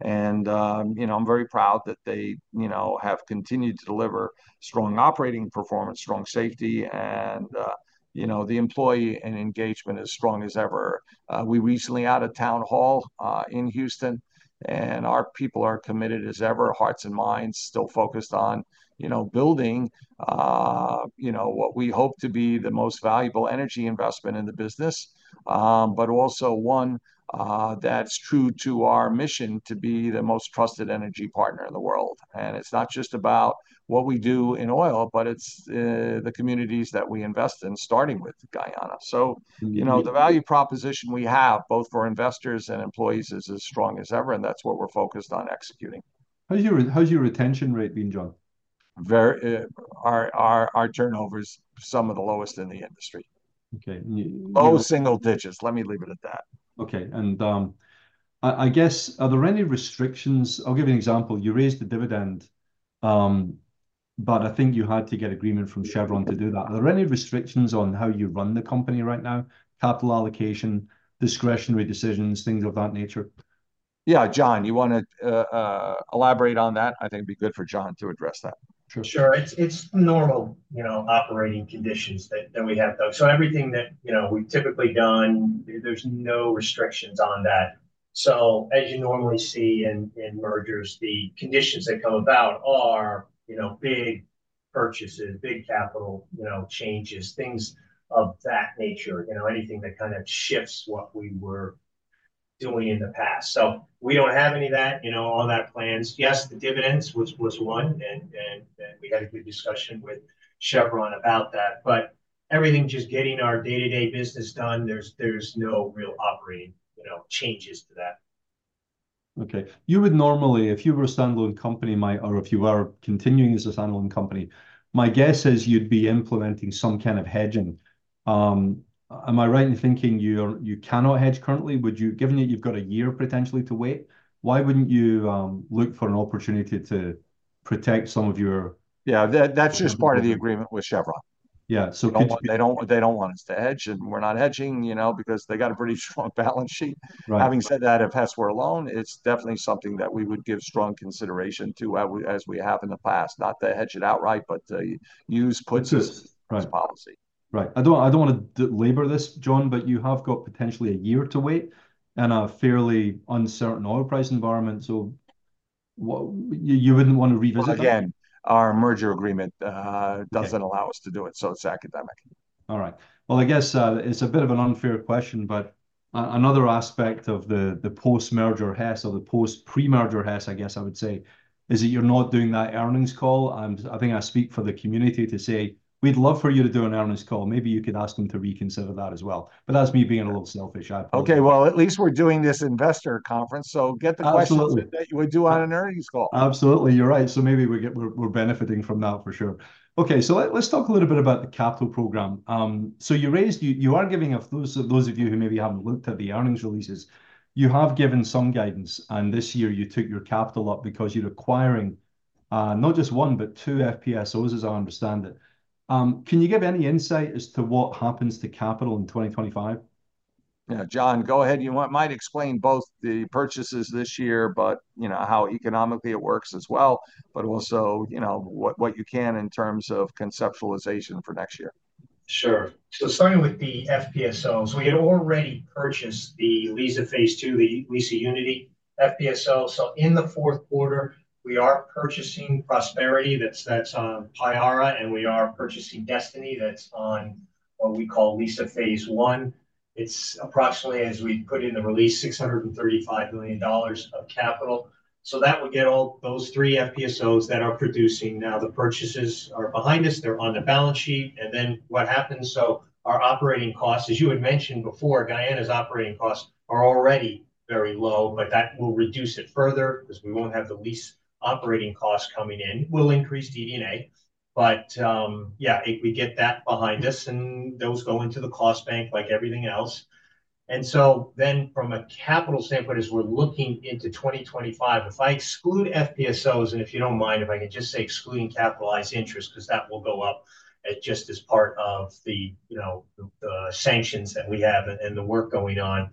And, you know, I'm very proud that they, you know, have continued to deliver strong operating performance, strong safety, and, you know, the employee engagement is strong as ever. We recently had a town hall in Houston, and our people are committed as ever, hearts and minds still focused on, you know, building, you know, what we hope to be the most valuable energy investment in the business, but also one that's true to our mission to be the most trusted energy partner in the world. And it's not just about what we do in oil, but it's the communities that we invest in, starting with Guyana. So, you know, the value proposition we have both for investors and employees is as strong as ever. And that's what we're focused on executing. How's your retention rate been, John? Our turnover is some of the lowest in the industry. Okay. Low single digits. Let me leave it at that. Okay. And I guess, are there any restrictions? I'll give you an example. You raised the dividend, but I think you had to get agreement from Chevron to do that. Are there any restrictions on how you run the company right now? Capital allocation, discretionary decisions, things of that nature? Yeah, John, you want to elaborate on that? I think it'd be good for John to address that. Sure. It's normal, you know, operating conditions that we have, Doug. So everything that, you know, we've typically done, there's no restrictions on that. So as you normally see in mergers, the conditions that come about are, you know, big purchases, big capital, you know, changes, things of that nature, you know, anything that kind of shifts what we were doing in the past. So we don't have any of that, you know, all that plans. Yes, the dividends was one, and we had a good discussion with Chevron about that. But everything just getting our day-to-day business done, there's no real operating, you know, changes to that. Okay. You would normally, if you were a standalone company or if you were continuing as a standalone company, my guess is you'd be implementing some kind of hedging. Am I right in thinking you cannot hedge currently? Given that you've got a year potentially to wait, why wouldn't you look for an opportunity to protect some of your. Yeah, that's just part of the agreement with Chevron. Yeah. So could you? They don't want us to hedge, and we're not hedging, you know, because they got a pretty strong balance sheet. Having said that, if Hess were alone, it's definitely something that we would give strong consideration to as we have in the past. Not to hedge it outright, but to use put policy. Right. I don't want to labor this, John, but you have got potentially a year to wait in a fairly uncertain oil price environment. So you wouldn't want to revisit that? Again, our merger agreement doesn't allow us to do it. So it's academic. All right, well, I guess it's a bit of an unfair question, but another aspect of the post-merger Hess or the post-pre-merger Hess, I guess I would say, is that you're not doing that earnings call. And I think I speak for the community to say, we'd love for you to do an earnings call. Maybe you could ask them to reconsider that as well. But that's me being a little selfish, I apologize. Okay, well, at least we're doing this investor conference, so get the questions that you would do on an earnings call. Absolutely. You're right. So maybe we're benefiting from that for sure. Okay. So let's talk a little bit about the capital program. So you raised, you are giving a, those of you who maybe haven't looked at the earnings releases, you have given some guidance. And this year you took your capital up because you're acquiring not just one, but two FPSOs as I understand it. Can you give any insight as to what happens to capital in 2025? Yeah, John, go ahead. You might explain both the purchases this year, but you know how economically it works as well, but also, you know, what you can in terms of conceptualization for next year. Sure. So starting with the FPSOs, we had already purchased the Liza Phase 2, the Liza Unity FPSO. So in the fourth quarter, we are purchasing Prosperity that's on Payara, and we are purchasing Destiny that's on what we call Liza Phase 1. It's approximately, as we put in the release, $635 million of capital. So that would get all those three FPSOs that are producing. Now the purchases are behind us. They're on the balance sheet. And then what happens, so our operating costs, as you had mentioned before, Guyana's operating costs are already very low, but that will reduce it further because we won't have the lease operating costs coming in. We'll increase DD&A. But yeah, we get that behind us, and those go into the cost bank like everything else. And so then, from a capital standpoint, as we're looking into 2025, if I exclude FPSOs, and if you don't mind, if I can just say excluding capitalized interest, because that will go up just as part of the, you know, the sanctions that we have and the work going on,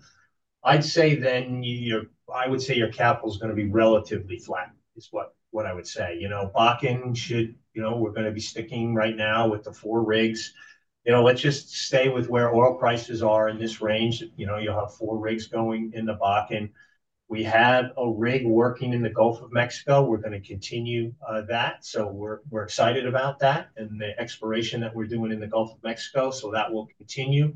I'd say then your, I would say your capital is going to be relatively flat is what I would say. You know, Bakken should, you know, we're going to be sticking right now with the four rigs. You know, let's just stay with where oil prices are in this range. You know, you'll have four rigs going in the Bakken. We have a rig working in the Gulf of Mexico. We're going to continue that. So we're excited about that and the exploration that we're doing in the Gulf of Mexico. So that will continue.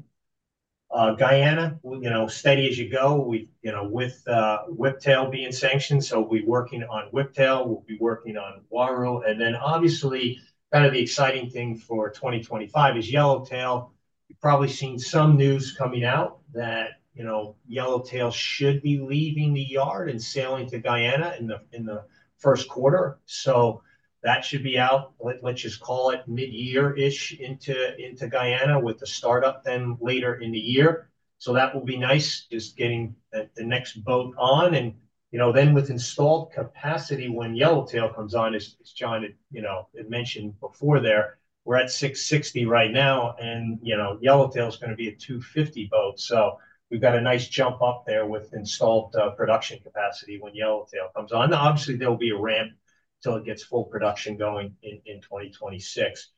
Guyana, you know, steady as you go, you know, with Whiptail being sanctioned, so we're working on Whiptail. We'll be working on Uaru, and then obviously kind of the exciting thing for 2025 is Yellowtail. You've probably seen some news coming out that, you know, Yellowtail should be leaving the yard and sailing to Guyana in the first quarter, so that should be out. Let's just call it mid-year-ish into Guyana with the startup then later in the year, so that will be nice just getting the next boat on, and, you know, then with installed capacity when Yellowtail comes on, as John had, you know, mentioned before there, we're at 660 right now, and, you know, Yellowtail is going to be a 250 boat, so we've got a nice jump up there with installed production capacity when Yellowtail comes on. Obviously, there'll be a ramp until it gets full production going in 2026.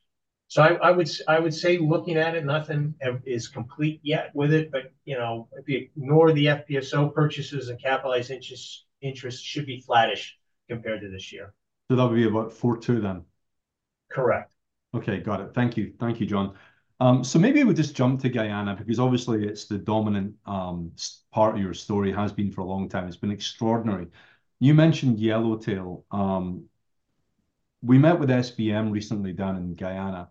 So I would say looking at it, nothing is complete yet with it. But, you know, ignore the FPSO purchases and capitalized interest, should be flattish compared to this year. That would be about four two then? Correct. Okay. Got it. Thank you. Thank you, John. So maybe we'll just jump to Guyana because obviously it's the dominant part of your story has been for a long time. It's been extraordinary. You mentioned Yellowtail. We met with SBM recently down in Guyana,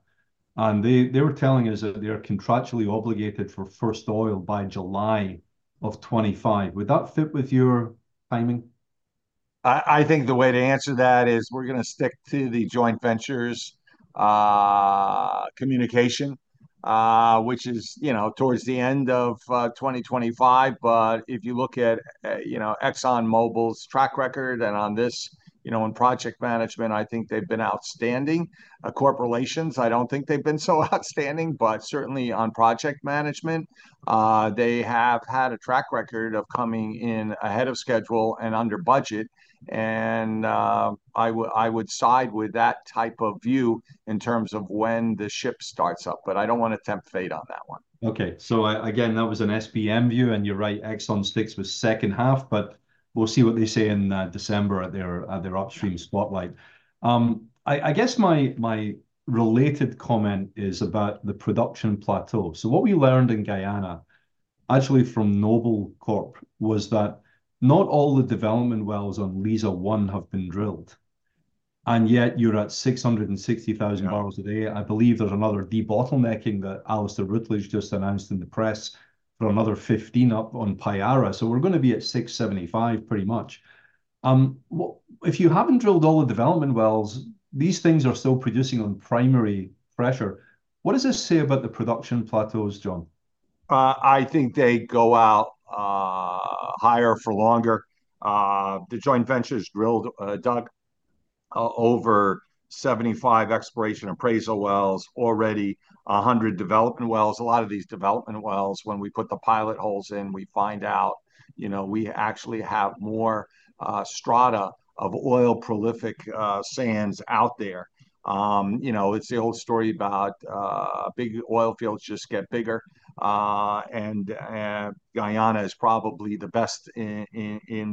and they were telling us that they're contractually obligated for first oil by July of 2025. Would that fit with your timing? I think the way to answer that is we're going to stick to the joint ventures communication, which is, you know, towards the end of 2025. But if you look at, you know, ExxonMobil's track record and on this, you know, in project management, I think they've been outstanding. Chevron, I don't think they've been so outstanding, but certainly on project management, they have had a track record of coming in ahead of schedule and under budget. And I would side with that type of view in terms of when the ship starts up. But I don't want to tempt fate on that one. Okay. That was an SBM view. You're right, Exxon sticks with second half, but we'll see what they say in December at their Upstream Spotlight. I guess my related comment is about the production plateau. What we learned in Guyana, actually from Noble Corp, was that not all the development wells on Liza One have been drilled. Yet you're at 660,000 barrels a day. I believe there's another de-bottlenecking that Alistair Routledge just announced in the press for another 15 up on Payara. We're going to be at 675 pretty much. If you haven't drilled all the development wells, these things are still producing on primary pressure. What does this say about the production plateaus, John? I think they go out higher for longer. The joint ventures drilled, Doug, over 75 exploration appraisal wells, already 100 development wells. A lot of these development wells, when we put the pilot holes in, we find out, you know, we actually have more strata of oil prolific sands out there. You know, it's the old story about big oil fields just get bigger. And Guyana is probably the best in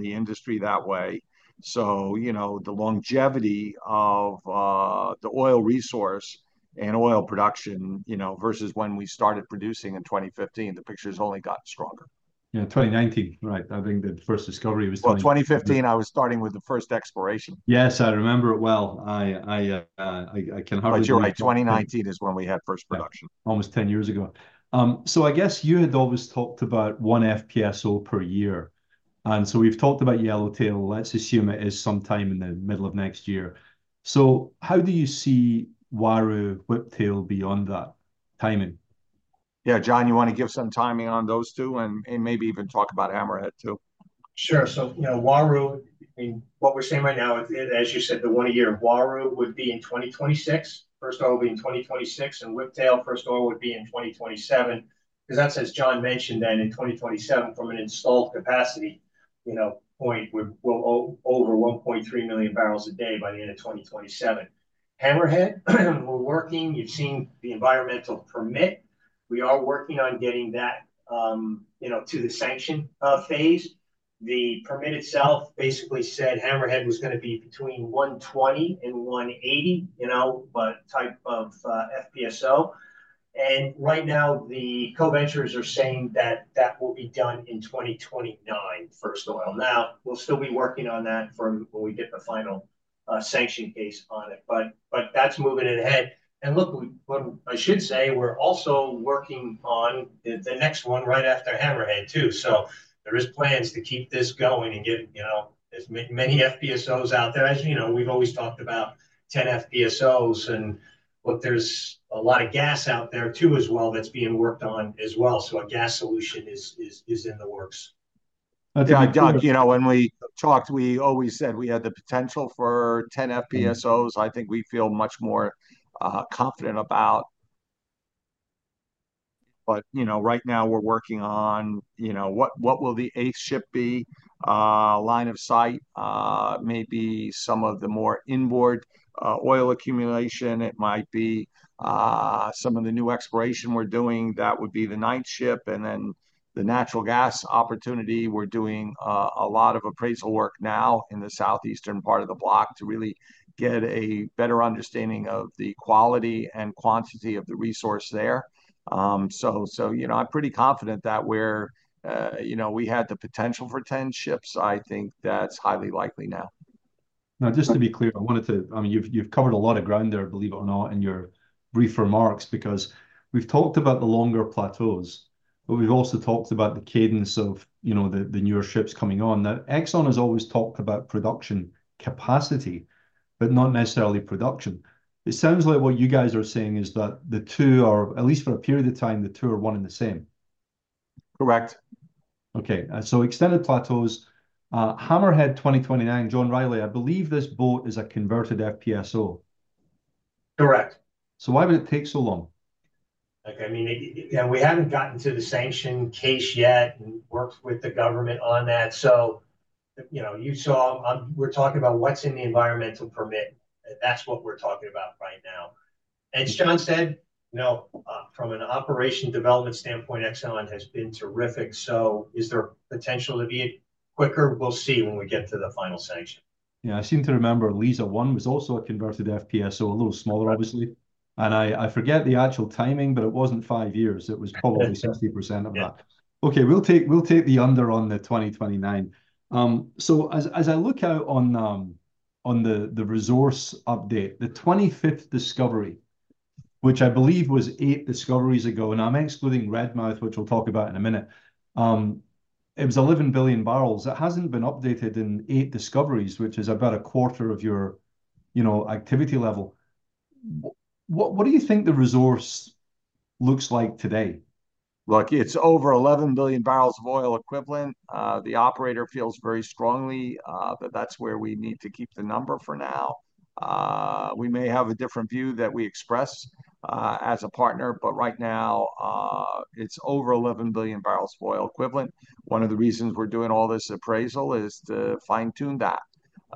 the industry that way. So, you know, the longevity of the oil resource and oil production, you know, versus when we started producing in 2015, the picture has only gotten stronger. Yeah, 2019, right? I think the first discovery was. 2015, I was starting with the first exploration. Yes, I remember it well. I can hardly. But you're right. 2019 is when we had first production. Almost 10 years ago. So I guess you had always talked about one FPSO per year. And so we've talked about Yellowtail. Let's assume it is sometime in the middle of next year. So how do you see Uaru, Whiptail beyond that timing? Yeah, John, you want to give some timing on those two and maybe even talk about Hammerhead too? Sure. So, you know, Uaru, I mean, what we're seeing right now, as you said, the one a year of Uaru would be in 2026. First oil would be in 2026 and Whiptail first oil would be in 2027. Because that's as John mentioned then in 2027 from an installed capacity, you know, point, we'll over 1.3 million barrels a day by the end of 2027. Hammerhead, we're working. You've seen the environmental permit. We are working on getting that, you know, to the sanction phase. The permit itself basically said Hammerhead was going to be between 120 and 180, you know, but type of FPSO. And right now the co-venturers are saying that that will be done in 2029 first oil. Now we'll still be working on that for when we get the final sanction case on it. But that's moving ahead. Look, I should say we're also working on the next one right after Hammerhead too. So there are plans to keep this going and get, you know, as many FPSOs out there. As you know, we've always talked about 10 FPSOs and, look, there's a lot of gas out there too as well that's being worked on as well. So a gas solution is in the works. Doug, you know, when we talked, we always said we had the potential for 10 FPSOs. I think we feel much more confident about. But, you know, right now we're working on, you know, what will the eighth ship be? Line of sight, maybe some of the more inboard oil accumulation. It might be some of the new exploration we're doing. That would be the ninth ship. And then the natural gas opportunity. We're doing a lot of appraisal work now in the southeastern part of the block to really get a better understanding of the quality and quantity of the resource there. So, you know, I'm pretty confident that we're, you know, we had the potential for 10 ships. I think that's highly likely now. Now, just to be clear, I wanted to, I mean, you've covered a lot of ground there, believe it or not, in your brief remarks because we've talked about the longer plateaus, but we've also talked about the cadence of, you know, the newer ships coming on. Now, Exxon has always talked about production capacity, but not necessarily production. It sounds like what you guys are saying is that the two are, at least for a period of time, the two are one and the same. Correct. Okay. So, extended plateaus, Hammerhead 2029, John Rielly. I believe this boat is a converted FPSO. Correct. So why would it take so long? Okay. I mean, we haven't gotten to the sanction case yet and worked with the government on that. So, you know, you saw we're talking about what's in the environmental permit. That's what we're talking about right now. And as John said, you know, from an operation development standpoint, Exxon has been terrific. So is there potential to beat it quicker? We'll see when we get to the final sanction. Yeah. I seem to remember Liza One was also a converted FPSO, a little smaller, obviously. I forget the actual timing, but it wasn't five years. It was probably 60% of that. Okay. We'll take the under on the 2029. So as I look out on the resource update, the 25th discovery, which I believe was eight discoveries ago, and I'm excluding Redtail, which we'll talk about in a minute, it was 11 billion barrels. That hasn't been updated in eight discoveries, which is about a quarter of your, you know, activity level. What do you think the resource looks like today? Look, it's over 11 billion barrels of oil equivalent. The operator feels very strongly that that's where we need to keep the number for now. We may have a different view that we express as a partner, but right now it's over 11 billion barrels of oil equivalent. One of the reasons we're doing all this appraisal is to fine-tune that.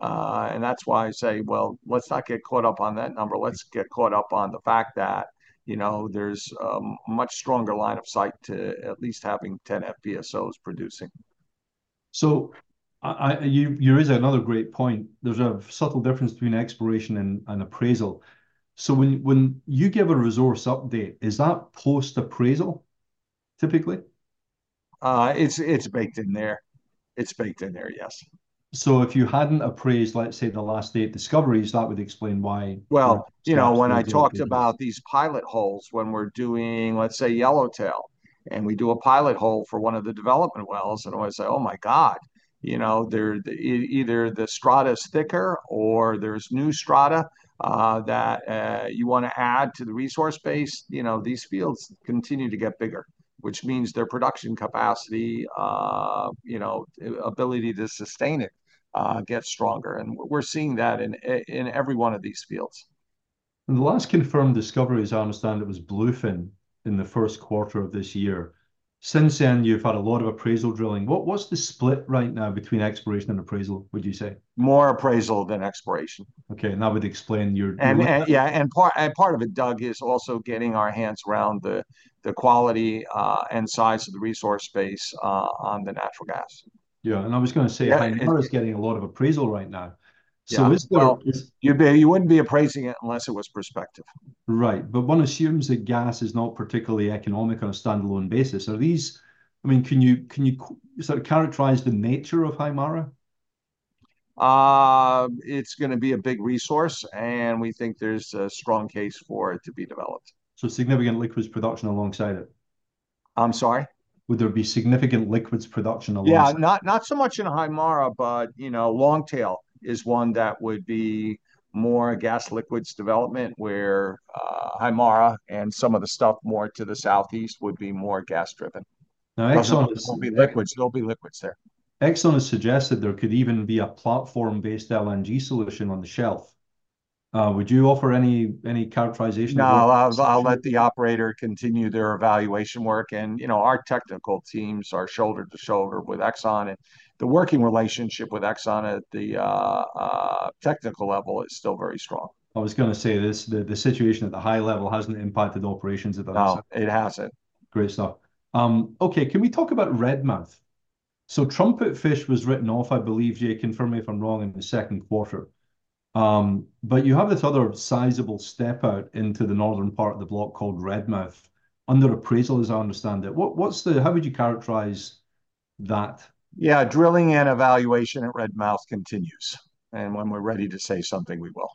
And that's why I say, well, let's not get caught up on that number. Let's get caught up on the fact that, you know, there's a much stronger line of sight to at least having 10 FPSOs producing. So you raise another great point. There's a subtle difference between exploration and appraisal. So when you give a resource update, is that post-appraisal typically? It's baked in there. It's baked in there, yes. So if you hadn't appraised, let's say the last eight discoveries, that would explain why. You know, when I talked about these pilot holes, when we're doing, let's say, Yellowtail, and we do a pilot hole for one of the development wells, and I always say, oh my God, you know, either the strata is thicker or there's new strata that you want to add to the resource base, you know, these fields continue to get bigger, which means their production capacity, you know, ability to sustain it gets stronger. And we're seeing that in every one of these fields. The last confirmed discovery, as I understand, it was Bluefin in the first quarter of this year. Since then, you've had a lot of appraisal drilling. What's the split right now between exploration and appraisal, would you say? More appraisal than exploration. Okay, and that would explain your. Yeah. And part of it, Doug, is also getting our hands around the quality and size of the resource space on the natural gas. Yeah. And I was going to say Hammerhead is getting a lot of appraisal right now. So is there. You wouldn't be appraising it unless it was prospective. Right. But one assumes that gas is not particularly economic on a standalone basis. Are these, I mean, can you sort of characterize the nature of Hammerhead? It's going to be a big resource, and we think there's a strong case for it to be developed. So significant liquids production alongside it. I'm sorry? Would there be significant liquids production alongside it? Yeah. Not so much in Hammerhead, but, you know, Longtail is one that would be more gas liquids development where Hammerhead and some of the stuff more to the southeast would be more gas driven. Now, Exxon is. There'll be liquids. There'll be liquids there. Exxon has suggested there could even be a platform-based LNG solution on the shelf. Would you offer any characterization? No, I'll let the operator continue their evaluation work. And, you know, our technical teams are shoulder to shoulder with Exxon. And the working relationship with Exxon at the technical level is still very strong. I was going to say this, the situation at the high level hasn't impacted operations at the high level. It hasn't. Great stuff. Okay. Can we talk about Redtail? So Trumpetfish was written off, I believe, Jay, confirm me if I'm wrong, in the second quarter. But you have this other sizable step out into the northern part of the block called Redtail under appraisal, as I understand it. How would you characterize that? Yeah. Drilling and evaluation at Redtail continues. And when we're ready to say something, we will.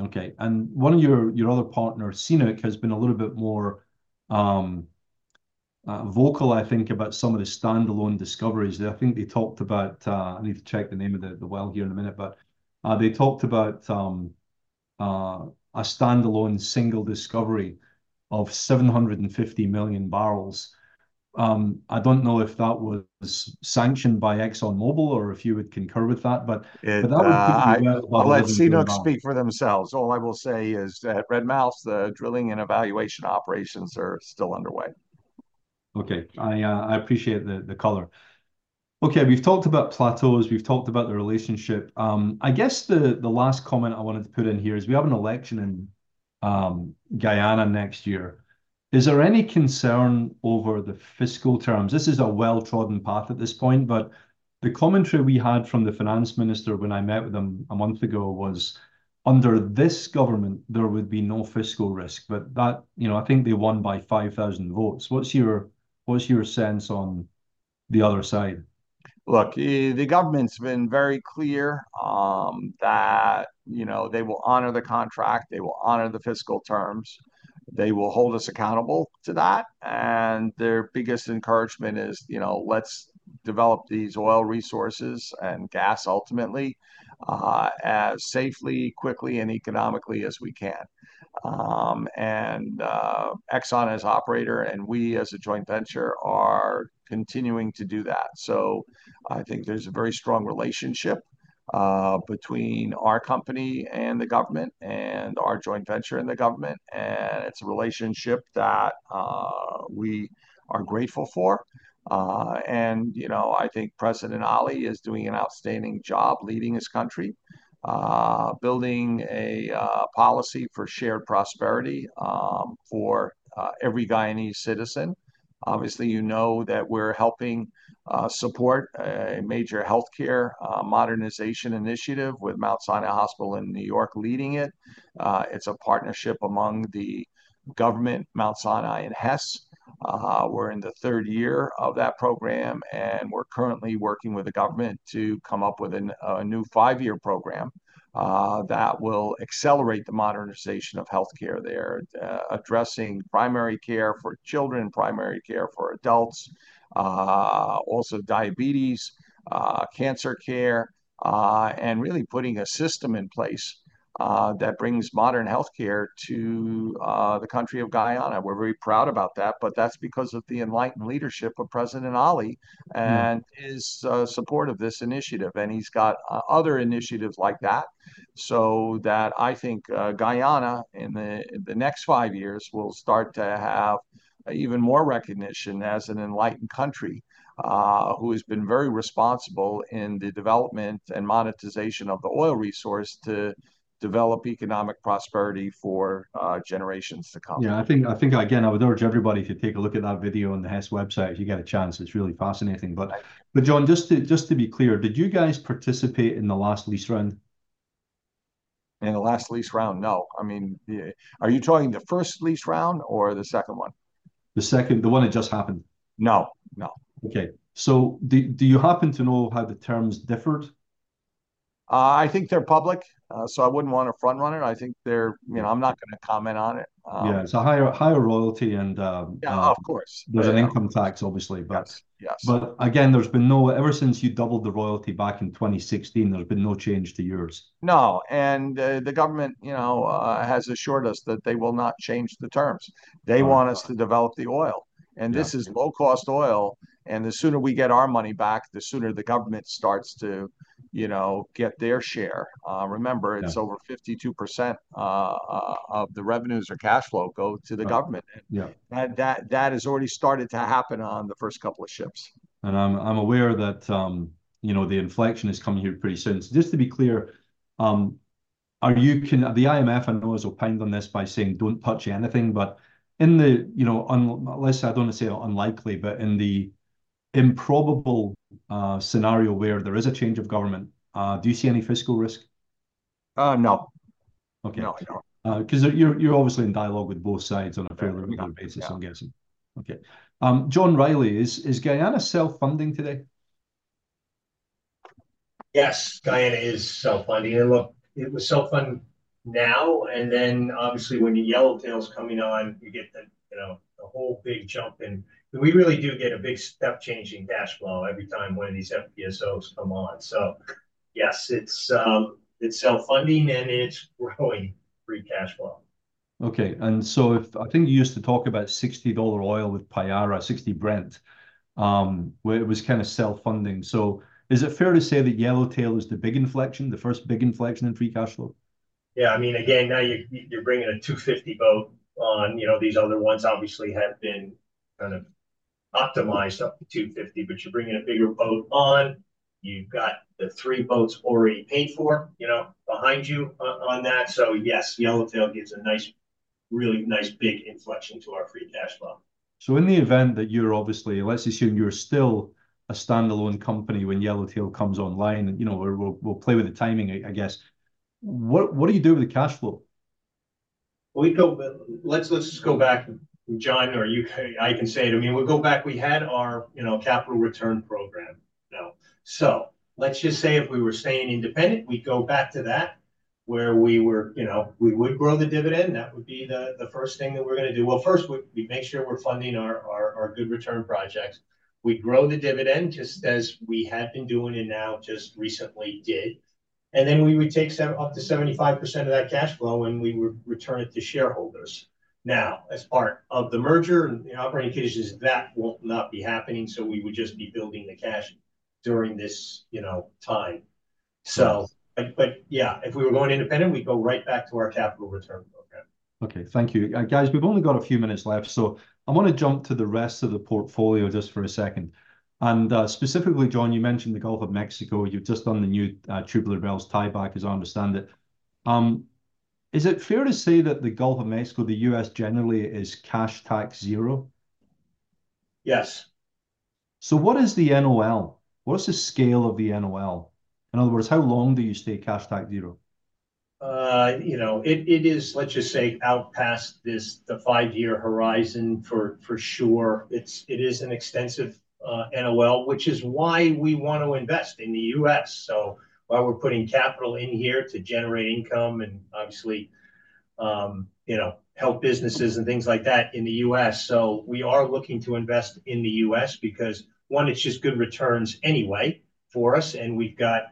Okay. And one of your other partners, CNOOC, has been a little bit more vocal, I think, about some of the standalone discoveries. I think they talked about, I need to check the name of the well here in a minute, but they talked about a standalone single discovery of 750 million barrels. I don't know if that was sanctioned by ExxonMobil or if you would concur with that, but that would. Let CNOOC speak for themselves. All I will say is that Redtail, the drilling and evaluation operations are still underway. Okay. I appreciate the color. Okay. We've talked about plateaus. We've talked about the relationship. I guess the last comment I wanted to put in here is we have an election in Guyana next year. Is there any concern over the fiscal terms? This is a well-trodden path at this point, but the commentary we had from the finance minister when I met with them a month ago was under this government, there would be no fiscal risk. But that, you know, I think they won by 5,000 votes. What's your sense on the other side? Look, the government's been very clear that, you know, they will honor the contract. They will honor the fiscal terms. They will hold us accountable to that. And their biggest encouragement is, you know, let's develop these oil resources and gas ultimately as safely, quickly, and economically as we can. And Exxon as operator and we as a joint venture are continuing to do that. So I think there's a very strong relationship between our company and the government and our joint venture and the government. And it's a relationship that we are grateful for. And, you know, I think President Ali is doing an outstanding job leading his country, building a policy for shared prosperity for every Guyanese citizen. Obviously, you know that we're helping support a major healthcare modernization initiative with Mount Sinai Hospital in New York leading it. It's a partnership among the government, Mount Sinai, and Hess. We're in the third year of that program, and we're currently working with the government to come up with a new five-year program that will accelerate the modernization of healthcare there, addressing primary care for children, primary care for adults, also diabetes, cancer care, and really putting a system in place that brings modern healthcare to the country of Guyana. We're very proud about that, but that's because of the enlightened leadership of President Ali and his support of this initiative, and he's got other initiatives like that so that I think Guyana in the next five years will start to have even more recognition as an enlightened country who has been very responsible in the development and monetization of the oil resource to develop economic prosperity for generations to come. Yeah. I think, again, I would urge everybody to take a look at that video on the Hess website. If you get a chance, it's really fascinating. But, John, just to be clear, did you guys participate in the last lease round? In the last lease round? No. I mean, are you talking the first lease round or the second one? The second, the one that just happened. No. No. Okay, so do you happen to know how the terms differed? I think they're public, so I wouldn't want to front-run it. I think they're, you know, I'm not going to comment on it. Yeah. It's a higher royalty and. Yeah, of course. There's an income tax, obviously, but. Yes. Yes. But again, ever since you doubled the royalty back in 2016, there's been no change to yours. No. And the government, you know, has assured us that they will not change the terms. They want us to develop the oil. And this is low-cost oil. And the sooner we get our money back, the sooner the government starts to, you know, get their share. Remember, it's over 52% of the revenues or cash flow go to the government. And that has already started to happen on the first couple of ships. I'm aware that, you know, the inflection is coming here pretty soon. So just to be clear, are you? The IMF, I know, has opined on this by saying, don't touch anything, but in the, you know, unless I don't want to say unlikely, but in the improbable scenario where there is a change of government, do you see any fiscal risk? No. No. Okay. Because you're obviously in dialogue with both sides on a fairly regular basis, I'm guessing. Okay. John Rielly, is Guyana self-funding today? Yes, Guyana is self-funding. And look, it was self-funding now. And then obviously when the Yellowtail's coming on, you get the, you know, the whole big jump. And we really do get a big step-changing cash flow every time one of these FPSOs come on. So yes, it's self-funding and it's growing free cash flow. Okay. And so if I think you used to talk about $60 oil with Payara, 60 Brent, where it was kind of self-funding. So is it fair to say that Yellowtail is the big inflection, the first big inflection in free cash flow? Yeah. I mean, again, now you're bringing a 250 boat on, you know, these other ones obviously have been kind of optimized up to 250, but you're bringing a bigger boat on. You've got the three boats already paid for, you know, behind you on that. So yes, Yellowtail gives a nice, really nice big inflection to our free cash flow. In the event that you're obviously, let's assume you're still a standalone company when Yellowtail comes online, and, you know, we'll play with the timing, I guess, what do you do with the cash flow? Let's just go back, John, or you can. I can say it. I mean, we'll go back. We had our, you know, capital return program now. So let's just say if we were staying independent, we'd go back to that where we were, you know. We would grow the dividend. That would be the first thing that we're going to do. First, we'd make sure we're funding our good return projects. We'd grow the dividend just as we had been doing and now just recently did. Then we would take up to 75% of that cash flow and we would return it to shareholders. Now, as part of the merger and the operating conditions, that will not be happening. We would just be building the cash during this, you know, time. So, but yeah, if we were going independent, we'd go right back to our capital return program. Okay. Thank you. Guys, we've only got a few minutes left. So I want to jump to the rest of the portfolio just for a second. And specifically, John, you mentioned the Gulf of Mexico. You've just done the new Tubular Bells tieback, as I understand it. Is it fair to say that the Gulf of Mexico, the U.S. generally is cash tax zero? Yes. So what is the NOL? What's the scale of the NOL? In other words, how long do you stay cash tax zero? You know, it is, let's just say, out past this, the five-year horizon for sure. It is an extensive NOL, which is why we want to invest in the U.S. So why we're putting capital in here to generate income and obviously, you know, help businesses and things like that in the U.S. So we are looking to invest in the U.S. because, one, it's just good returns anyway for us. And we've got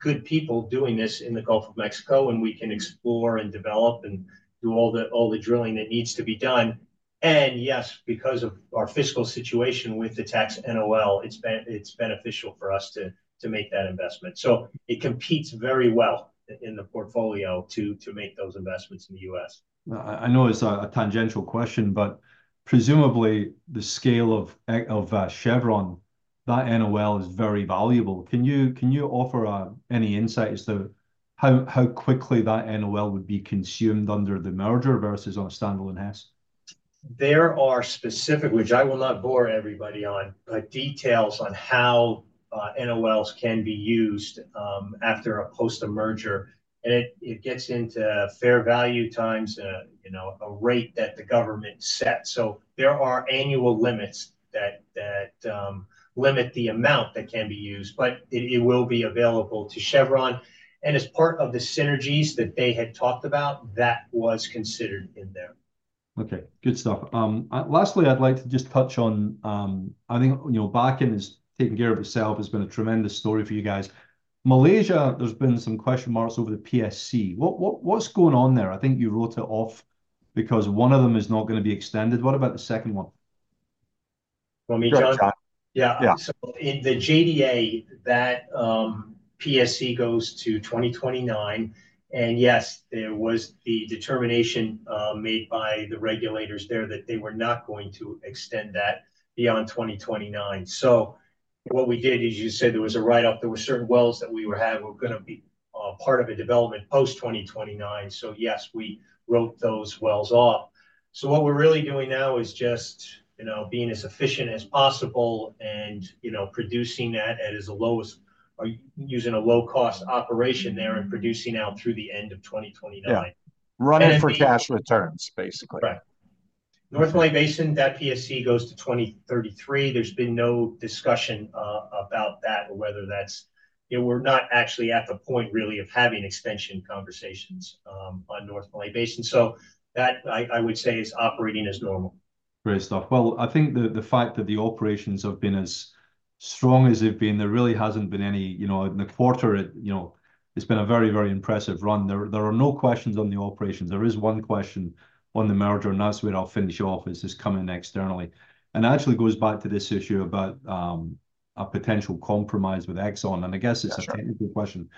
good people doing this in the Gulf of Mexico, and we can explore and develop and do all the drilling that needs to be done. And yes, because of our fiscal situation with the tax NOL, it's beneficial for us to make that investment. So it competes very well in the portfolio to make those investments in the U.S. I know it's a tangential question, but presumably the scale of Chevron, that NOL is very valuable. Can you offer any insight as to how quickly that NOL would be consumed under the merger versus on a standalone Hess? There are specifics, which I will not bore everybody on, but details on how NOLs can be used after a post-merger. It gets into fair value times, you know, a rate that the government sets. There are annual limits that limit the amount that can be used, but it will be available to Chevron. As part of the synergies that they had talked about, that was considered in there. Okay. Good stuff. Lastly, I'd like to just touch on, I think, you know, Bakken has taken care of itself. It's been a tremendous story for you guys. Malaysia, there's been some question marks over the PSC. What's going on there? I think you wrote it off because one of them is not going to be extended. What about the second one? For me, John? Yeah. So the JDA, that PSC goes to 2029. And yes, there was the determination made by the regulators there that they were not going to extend that beyond 2029. So what we did is you said there was a write-off. There were certain wells that we were having were going to be part of a development post-2029. So yes, we wrote those wells off. So what we're really doing now is just, you know, being as efficient as possible and, you know, producing that at as low as, using a low-cost operation there and producing out through the end of 2029. Yeah. Running for cash returns, basically. Right. North Malay Basin, that PSC goes to 2033. There's been no discussion about that or whether that's, you know, we're not actually at the point really of having extension conversations on North Malay Basin. So that, I would say, is operating as normal. Great stuff. Well, I think the fact that the operations have been as strong as they've been. There really hasn't been any, you know, in the quarter, you know. It's been a very, very impressive run. There are no questions on the operations. There is one question on the merger, and that's where I'll finish off. Is this coming externally? And actually goes back to this issue about a potential compromise with Exxon. And I guess it's a technical question.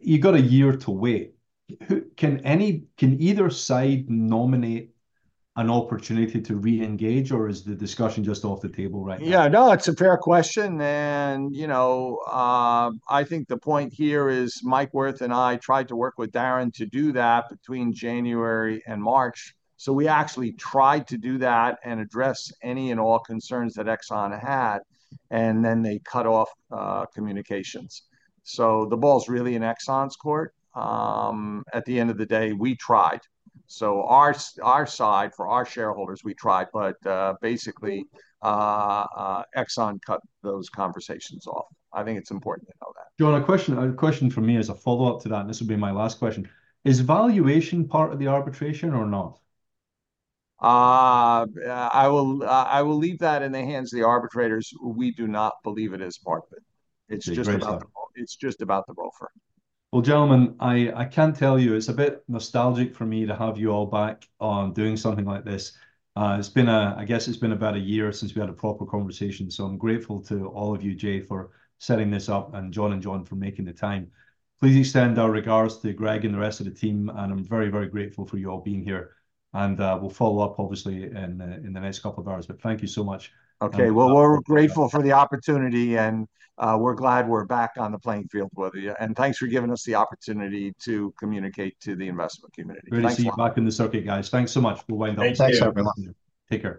You've got a year to wait. Can either side nominate an opportunity to re-engage, or is the discussion just off the table right now? Yeah. No, it's a fair question. And, you know, I think the point here is Mike Wirth and I tried to work with Darren to do that between January and March. So we actually tried to do that and address any and all concerns that Exxon had, and then they cut off communications. So the ball's really in Exxon's court. At the end of the day, we tried. So our side, for our shareholders, we tried, but basically Exxon cut those conversations off. I think it's important to know that. John, a question from me as a follow-up to that, and this will be my last question. Is valuation part of the arbitration or not? I will leave that in the hands of the arbitrators. We do not believe it is part of it. It's just about the ROFR. Gentlemen, I can tell you it's a bit nostalgic for me to have you all back on doing something like this. It's been, I guess it's been about a year since we had a proper conversation. So I'm grateful to all of you, Jay, for setting this up, and John, and John, for making the time. Please extend our regards to Greg and the rest of the team. And I'm very, very grateful for you all being here. And we'll follow up, obviously, in the next couple of hours. But thank you so much. Okay. We're grateful for the opportunity and we're glad we're back on the playing field with you. Thanks for giving us the opportunity to communicate to the investment community. Great to see you back in the circuit, guys. Thanks so much. We'll wind up soon. Thanks, everyone. Take care.